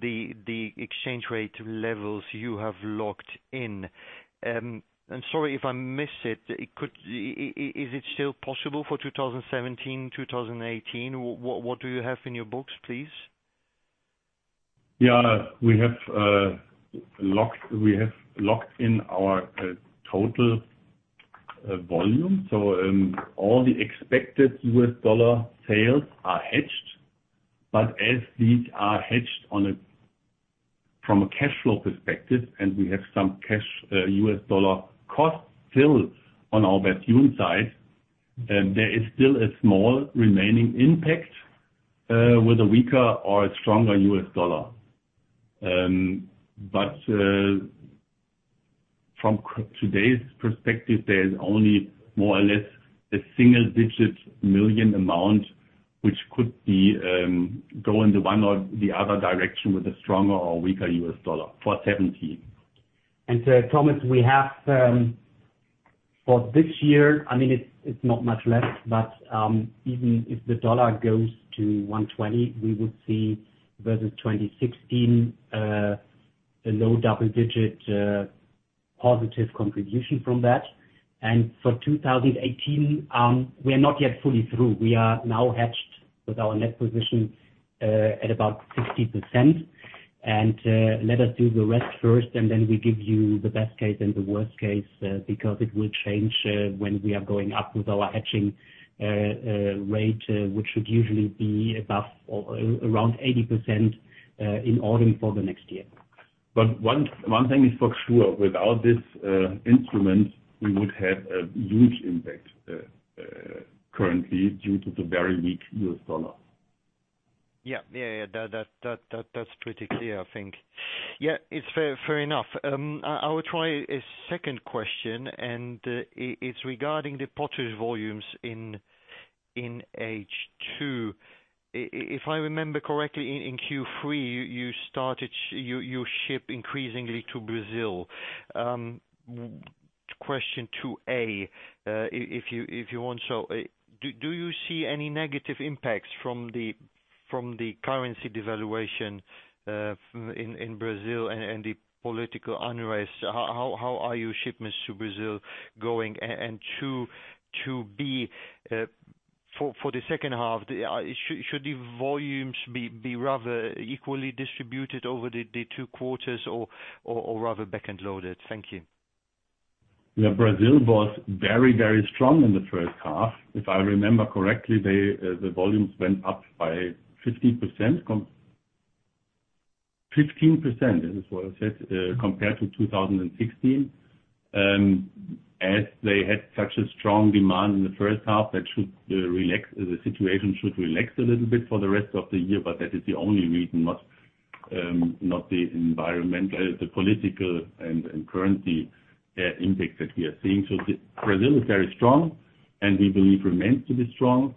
the exchange rate levels you have locked in. I am sorry if I missed it, is it still possible for 2017, 2018? What do you have in your books, please? We have locked in our total volume. All the expected US dollar sales are hedged, but as these are hedged from a cash flow perspective, and we have some cash US dollar costs still on our Bethune side, there is still a small remaining impact, with a weaker or a stronger US dollar. From today's perspective, there is only more or less a single-digit million amount, which could go in the one or the other direction with a stronger or weaker US dollar for 2017. Thomas, we have for this year, it's not much less, but even if the dollar goes to 120, we would see versus 2016, a low double-digit positive contribution from that. For 2018, we are not yet fully through. We are now hedged with our net position at about 60%. Let us do the rest first, and then we give you the best case and the worst case, because it will change when we are going up with our hedging rate, which should usually be above or around 80% in autumn for the next year. One thing is for sure, without this instrument, we would have a huge impact currently due to the very weak U.S. dollar. That's pretty clear, I think. It's fair enough. I will try a second question, and it's regarding the potash volumes in H2. If I remember correctly, in Q3, you ship increasingly to Brazil. Question 2A, if you want so. Do you see any negative impacts from the currency devaluation in Brazil and the political unrest? How are your shipments to Brazil going? 2B, for the second half, should the volumes be rather equally distributed over the two quarters or rather back-end loaded? Thank you. Brazil was very strong in the first half. If I remember correctly, the volumes went up by 15%, compared to 2016. As they had such a strong demand in the first half, the situation should relax a little bit for the rest of the year, but that is the only reason, not the environmental, the political and currency impact that we are seeing. Brazil is very strong and we believe remains to be strong.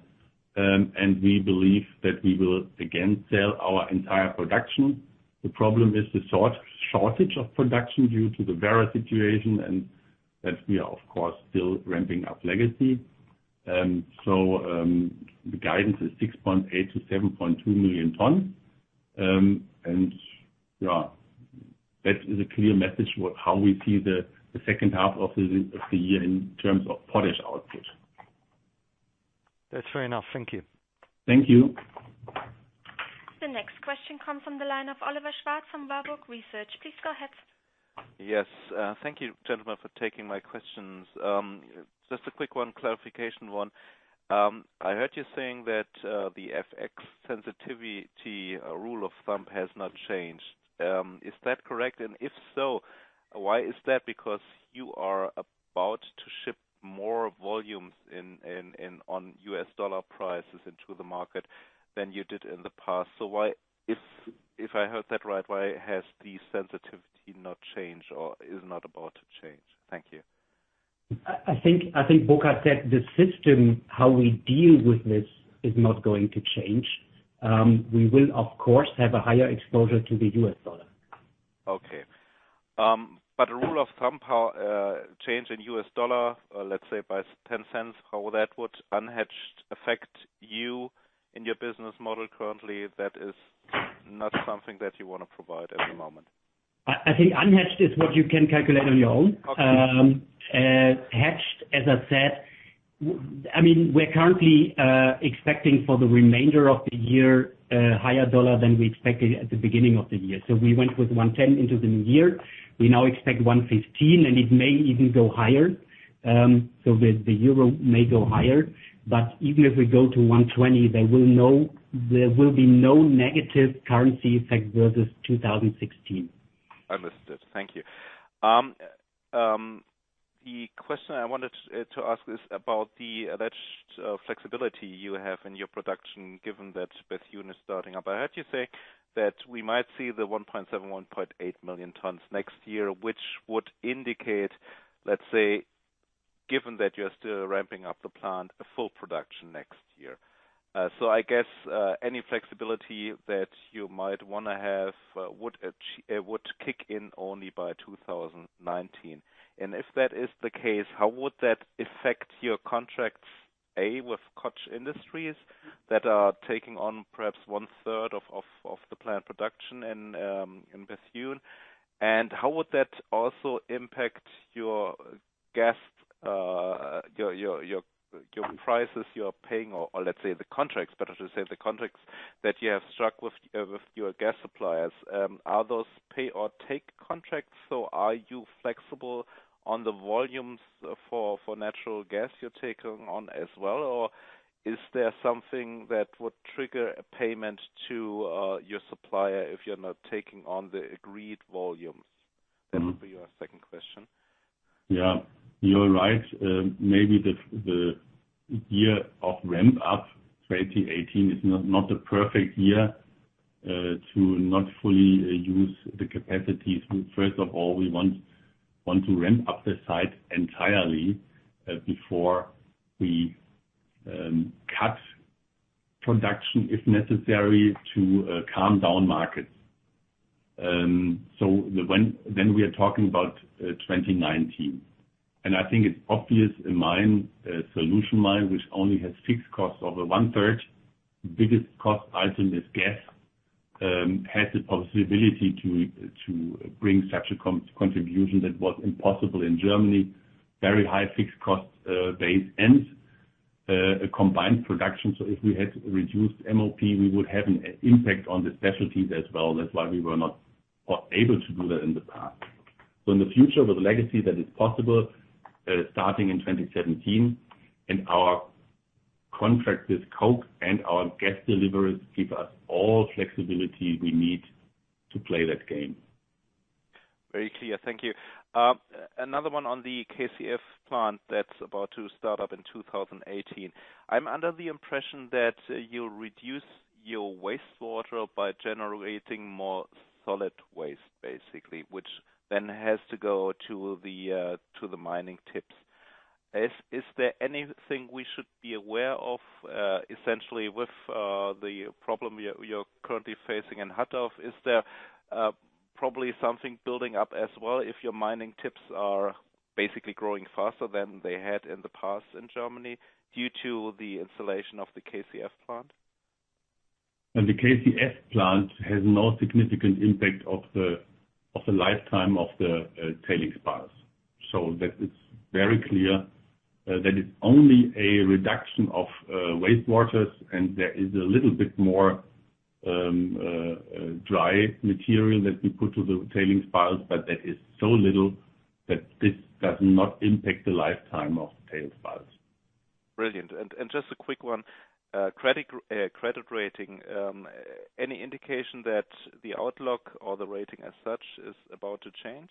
We believe that we will again sell our entire production. The problem is the shortage of production due to the Werra situation and that we are of course still ramping up Bethune. The guidance is 6.8 million-7.2 million tons. That is a clear message how we see the second half of the year in terms of potash output. That's fair enough. Thank you. Thank you. The next question comes from the line of Oliver Schwarz from Warburg Research. Please go ahead. Yes. Thank you gentlemen for taking my questions. Just a quick clarification one. I heard you saying that the FX sensitivity rule of thumb has not changed. Is that correct? If so, why is that? You are about to ship more volumes on US dollar prices into the market than you did in the past. If I heard that right, why has the sensitivity not changed or is not about to change? Thank you. I think Burkhard said the system, how we deal with this, is not going to change. We will, of course, have a higher exposure to the US dollar. A rule of thumb, change in US dollar, let's say by $0.10, how that would unhedged affect you in your business model currently, that is not something that you want to provide at the moment? I think unhedged is what you can calculate on your own. Hedged, as I said, we're currently expecting for the remainder of the year a higher dollar than we expected at the beginning of the year. We went with 110 into the new year. We now expect 115, and it may even go higher. The euro may go higher, but even if we go to 120, there will be no negative currency effect versus 2016. Understood. Thank you. The question I wanted to ask is about the hedged flexibility you have in your production, given that Bethune is starting up. I heard you say that we might see the 1.7, 1.8 million tons next year, which would indicate, let's say, given that you're still ramping up the plant, a full production next year. I guess, any flexibility that you might want to have would kick in only by 2019. If that is the case, how would that affect your contracts, A, with Koch Industries that are taking on perhaps one third of the plant production in Bethune? How would that also impact your prices you are paying or let's say the contracts, better to say the contracts that you have struck with your gas suppliers. Are those pay or take contracts? Are you flexible on the volumes for natural gas you're taking on as well, or is there something that would trigger a payment to your supplier if you're not taking on the agreed volumes? That would be our second question. Yeah, you're right. Maybe the year of ramp up, 2018, is not the perfect year to not fully use the capacities. First of all, we want to ramp up the site entirely before we cut production if necessary to calm down markets. We are talking about 2019. I think it's obvious in mine, solution mine, which only has fixed costs of one-third. Biggest cost item is gas, has the possibility to bring such a contribution that was impossible in Germany. Very high fixed cost base and a combined production. If we had reduced MOP, we would have an impact on the specialties as well. That's why we were not able to do that in the past. In the future, with Bethune, that is possible, starting in 2017 and our Contracts with Koch and our gas deliveries give us all the flexibility we need to play that game. Very clear. Thank you. Another one on the KCF plant that's about to start up in 2018. I'm under the impression that you'll reduce your wastewater by generating more solid waste, basically, which then has to go to the mining tips. Is there anything we should be aware of? Essentially with the problem you're currently facing in Hattorf, is there probably something building up as well if your mining tips are basically growing faster than they had in the past in Germany due to the installation of the KCF plant? The KCF plant has no significant impact on the lifetime of the tailings piles. That is very clear, that is only a reduction of wastewaters and there is a little bit more dry material that we put to the tailings piles, but that is so little that this does not impact the lifetime of the tailings piles. Brilliant. Just a quick one, credit rating. Any indication that the outlook or the rating as such is about to change?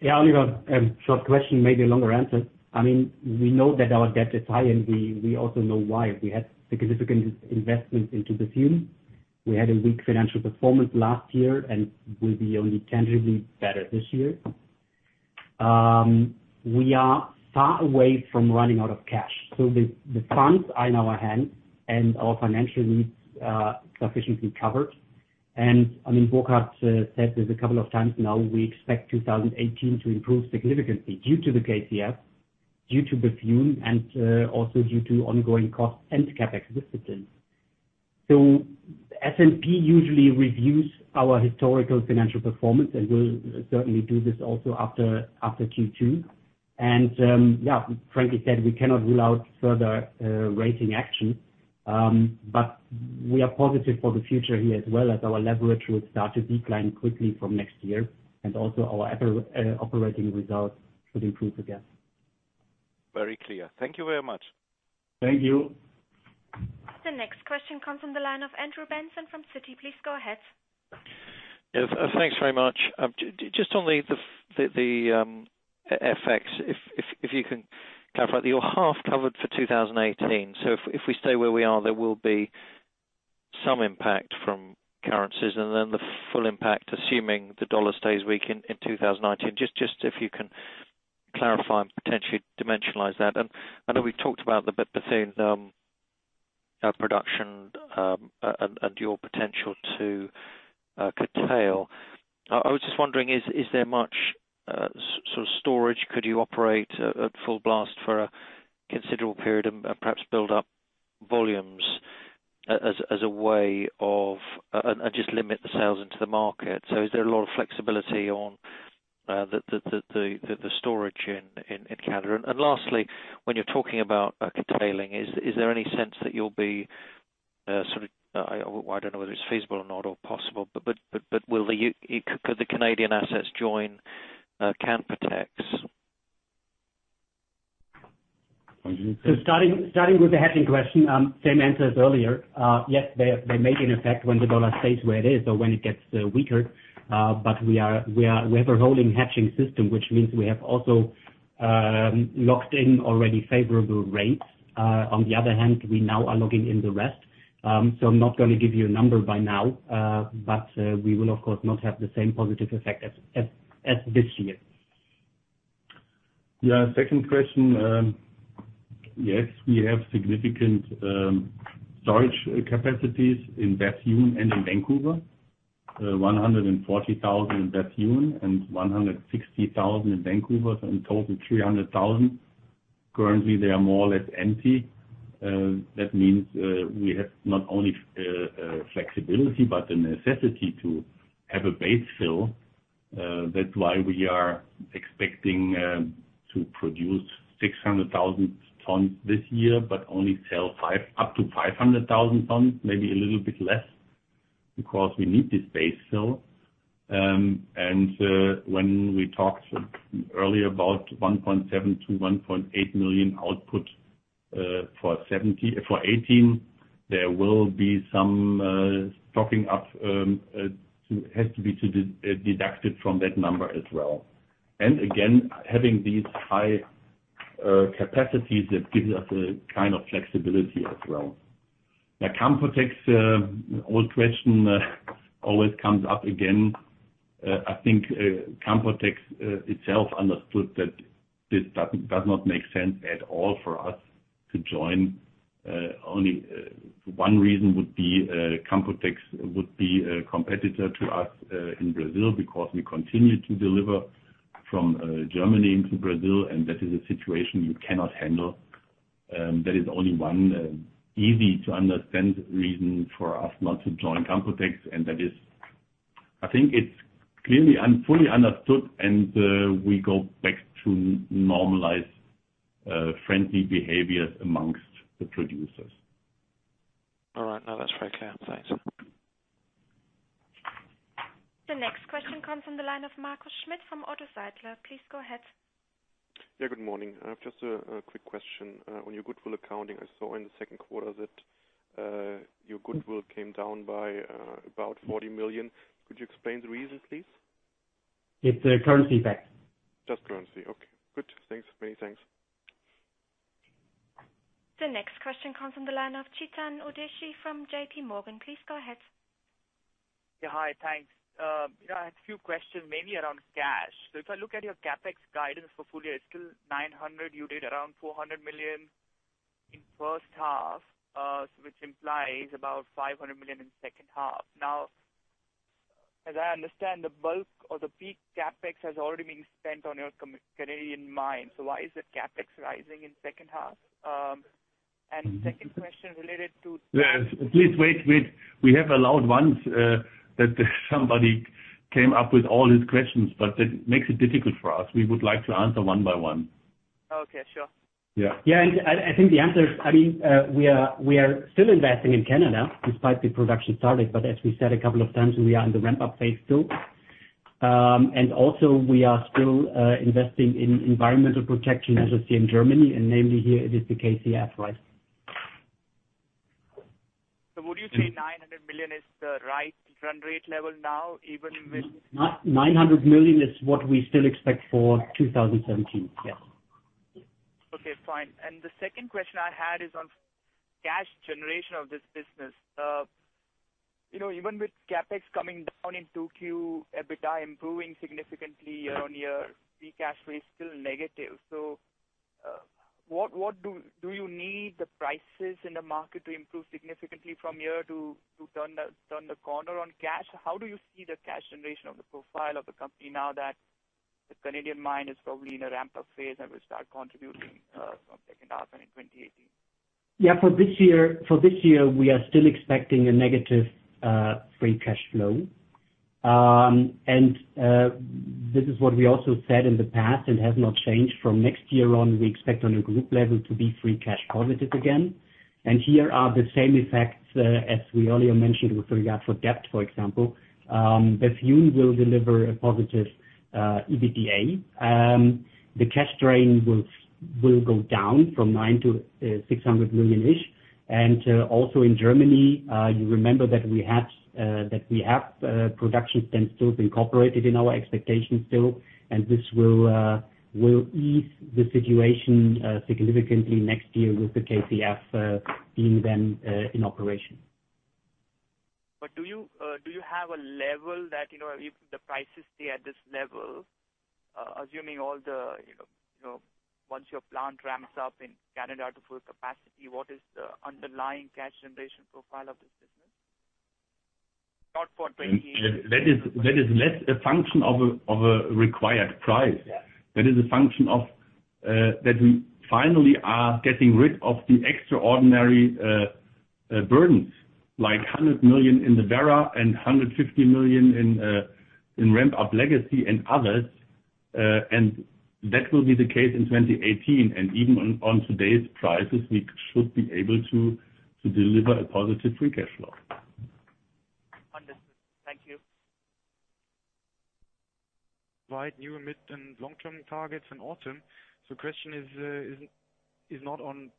Yeah, Oliver, short question, maybe longer answer. We know that our debt is high, and we also know why. We had significant investments into Bethune. We had a weak financial performance last year and will be only tangibly better this year. We are far away from running out of cash. The funds are in our hand and our financial needs are sufficiently covered. Burkhard said this a couple of times now, we expect 2018 to improve significantly due to the KCF, due to Bethune, and also due to ongoing cost and CapEx discipline. S&P usually reviews our historical financial performance, and will certainly do this also after Q2. Yeah, frankly said, we cannot rule out further rating action. We are positive for the future here as well, as our leverage will start to decline quickly from next year. Also our operating results should improve again. Very clear. Thank you very much. Thank you. The next question comes from the line of Andrew Benson from Citi. Please go ahead. Yes. Thanks very much. Just on the FX, if you can clarify, you're half covered for 2018. If we stay where we are, there will be some impact from currencies, and then the full impact, assuming the dollar stays weak in 2019. Just if you can clarify and potentially dimensionalize that. I know we've talked about the Bethune production and your potential to curtail. I was just wondering, is there much storage? Could you operate at full blast for a considerable period and perhaps build up volumes and just limit the sales into the market? Is there a lot of flexibility on the storage in Canada? Lastly, when you're talking about curtailing, is there any sense that you'll be, I don't know whether it's feasible or not, or possible, but could the Canadian assets join Canpotex? Want you to take that? Starting with the hedging question, same answer as earlier. Yes, they may be an effect when the U.S. dollar stays where it is or when it gets weaker. We have a rolling hedging system, which means we have also locked in already favorable rates. On the other hand, we now are locking in the rest. I'm not going to give you a number by now, but we will, of course, not have the same positive effect as this year. Second question. Yes, we have significant storage capacities in Bethune and in Vancouver, 140,000 in Bethune and 160,000 in Vancouver. In total, 300,000. Currently, they are more or less empty. That means we have not only flexibility but the necessity to have a base fill. That's why we are expecting to produce 600,000 tons this year, but only sell up to 500,000 tons, maybe a little bit less, because we need this base fill. When we talked earlier about 1.7 million to 1.8 million output for 2018, there will be some stocking up, has to be deducted from that number as well. Again, having these high capacities, that gives us a kind of flexibility as well. The Canpotex old question always comes up again. I think Canpotex itself understood that this does not make sense at all for us to join. Only one reason would be Canpotex would be a competitor to us in Brazil because we continue to deliver from Germany into Brazil, and that is a situation you cannot handle. That is only one easy-to-understand reason for us not to join Canpotex. I think it's clearly and fully understood, and we go back to normalized, friendly behaviors amongst the producers. All right. No, that's very clear. Thanks. The next question comes from the line of Markus Schmitt from ODDO BHF Please go ahead. Yeah, good morning. I have just a quick question. On your goodwill accounting, I saw in the second quarter that your goodwill came down by about 40 million. Could you explain the reasons, please? It's a currency effect. Just currency. Okay, good. Thanks. Many thanks. The next question comes from the line of Chetan Udasi from JP Morgan. Please go ahead. Hi. Thanks. I have a few questions mainly around cash. If I look at your CapEx guidance for full year, it is still 900 million. You did around 400 million in first half, which implies about 500 million in second half. As I understand, the bulk or the peak CapEx has already been spent on your Canadian mine. Why is the CapEx rising in second half? Please wait. We have allowed once that somebody came up with all these questions, but that makes it difficult for us. We would like to answer one by one. Okay. Sure. Yeah. Yeah. I think the answer is, we are still investing in Canada despite the production started, as we said a couple of times, we are in the ramp-up phase too. Also we are still investing in environmental protection, as you see in Germany, and namely here it is the KCF, right? Would you say 900 million is the right run rate level now, even with? 900 million is what we still expect for 2017. Yes. Okay, fine. The second question I had is on cash generation of this business. Even with CapEx coming down in 2Q, EBITDA improving significantly year-on-year, free cash flow is still negative. What do you need the prices in the market to improve significantly from here to turn the corner on cash? How do you see the cash generation of the profile of the company now that the Canadian mine is probably in a ramp-up phase and will start contributing from second half and in 2018? Yeah, for this year we are still expecting a negative free cash flow. This is what we also said in the past and has not changed. From next year on, we expect on a group level to be free cash positive again. Here are the same effects, as we earlier mentioned with regard for debt, for example. Bethune will deliver a positive EBITDA. The cash drain will go down from 900 million to 600 million-ish. In Germany, you remember that we have production standstill being incorporated in our expectations still, and this will ease the situation significantly next year with the KCF being then in operation. Do you have a level that if the prices stay at this level, assuming once your plant ramps up in Canada to full capacity, what is the underlying cash generation profile of this business? Not for 2018. That is less a function of a required price. Yeah. That is a function of that we finally are getting rid of the extraordinary burdens, like 100 million in the Werra and 150 million in ramp-up Bethune and others. That will be the case in 2018. Even on today's prices, we should be able to deliver a positive free cash flow. Understood. Thank you. Provide new mid and long-term targets in autumn. Question is not on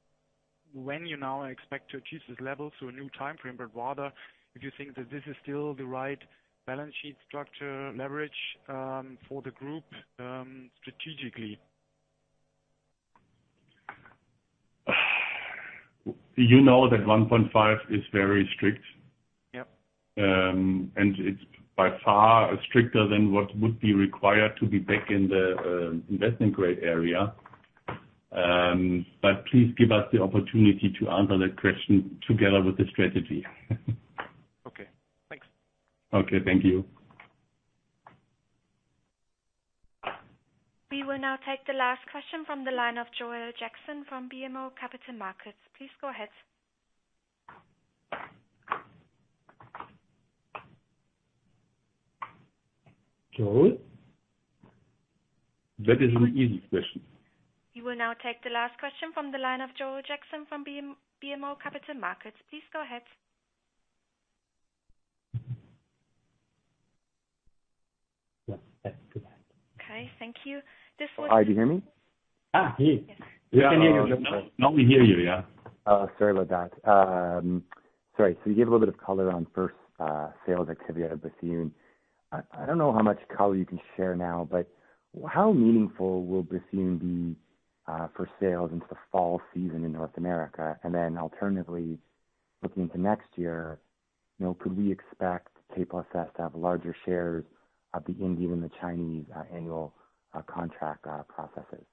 when you now expect to achieve this level, so a new time frame, but rather if you think that this is still the right balance sheet structure leverage for the group, strategically. You know that 1.5 is very strict. Yep. It's by far stricter than what would be required to be back in the investment grade area. Please give us the opportunity to answer that question together with the strategy. Okay. Thanks. Okay. Thank you. We will now take the last question from the line of Joel Jackson from BMO Capital Markets. Please go ahead. Joel? That is an easy question. We will now take the last question from the line of Joel Jackson from BMO Capital Markets. Please go ahead. Yes. Back. Goodbye. Okay. Thank you. Hi, do you hear me? Here. We can hear you. Now we hear you, yeah. Sorry about that. Sorry. You gave a little bit of color on first sales activity at Bethune. I don't know how much color you can share now, but how meaningful will Bethune be for sales into the fall season in North America? Alternatively, looking into next year, could we expect K+S to have larger shares of the Indian and the Chinese annual contract processes?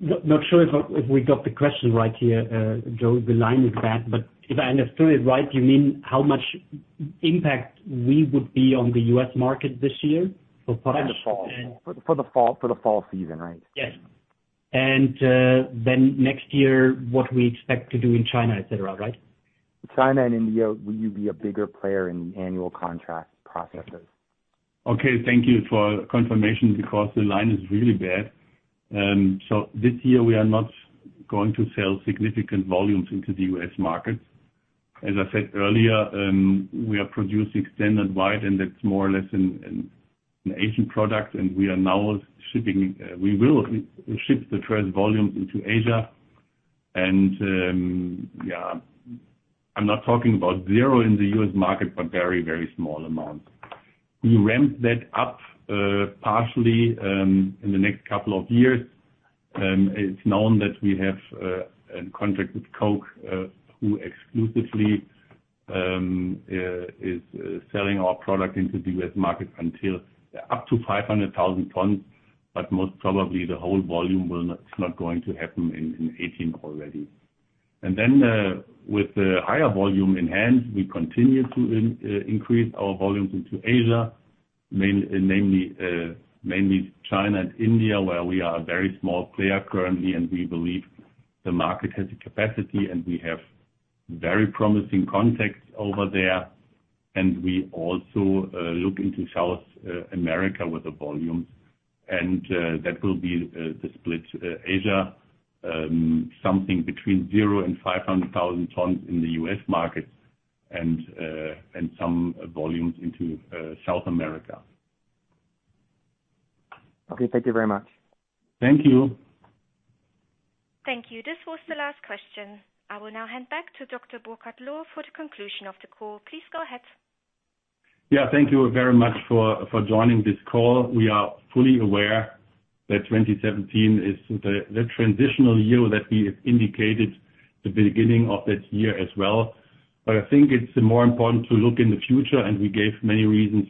Not sure if we got the question right here, Joel, the line is bad. If I understood it right, you mean how much impact we would be on the U.S. market this year for Bethune? For the fall season, right? Yes. Next year, what we expect to do in China, et cetera, right? China and India, will you be a bigger player in the annual contract processes? Thank you for confirmation because the line is really bad. This year we are not going to sell significant volumes into the U.S. market. As I said earlier, we are producing Standard White, and that is more or less an Asian product, and we will ship the trade volumes into Asia. I am not talking about zero in the U.S. market, but very small amounts. We ramp that up partially in the next couple of years. It is known that we have a contract with Koch, who exclusively is selling our product into the U.S. market up to 500,000 tons. Most probably the whole volume is not going to happen in 2018 already. With the higher volume in hand, we continue to increase our volumes into Asia, mainly China and India, where we are a very small player currently. We believe the market has the capacity, and we have very promising contacts over there. We also look into South America with the volumes. That will be the split. Asia, something between zero and 500,000 tons in the U.S. market and some volumes into South America. Thank you very much. Thank you. Thank you. This was the last question. I will now hand back to Dr. Burkhard Lohr for the conclusion of the call. Please go ahead. Thank you very much for joining this call. We are fully aware that 2017 is the transitional year that we have indicated the beginning of this year as well. I think it's more important to look in the future. We gave many reasons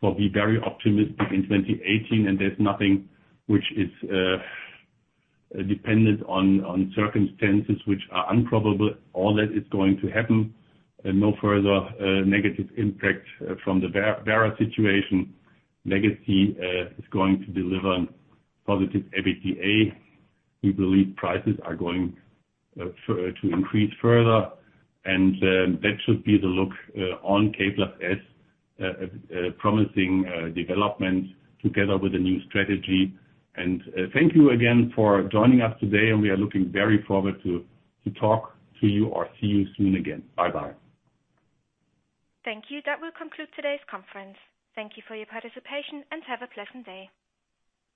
for being very optimistic in 2018, and there's nothing which is dependent on circumstances which are improbable. All that is going to happen and no further negative impact from the Werra situation. Legacy is going to deliver positive EBITDA. We believe prices are going to increase further, and that should be the look on K+S. A promising development together with a new strategy. Thank you again for joining us today. We are looking very forward to talk to you or see you soon again. Bye-bye. Thank you. That will conclude today's conference. Thank you for your participation and have a pleasant day.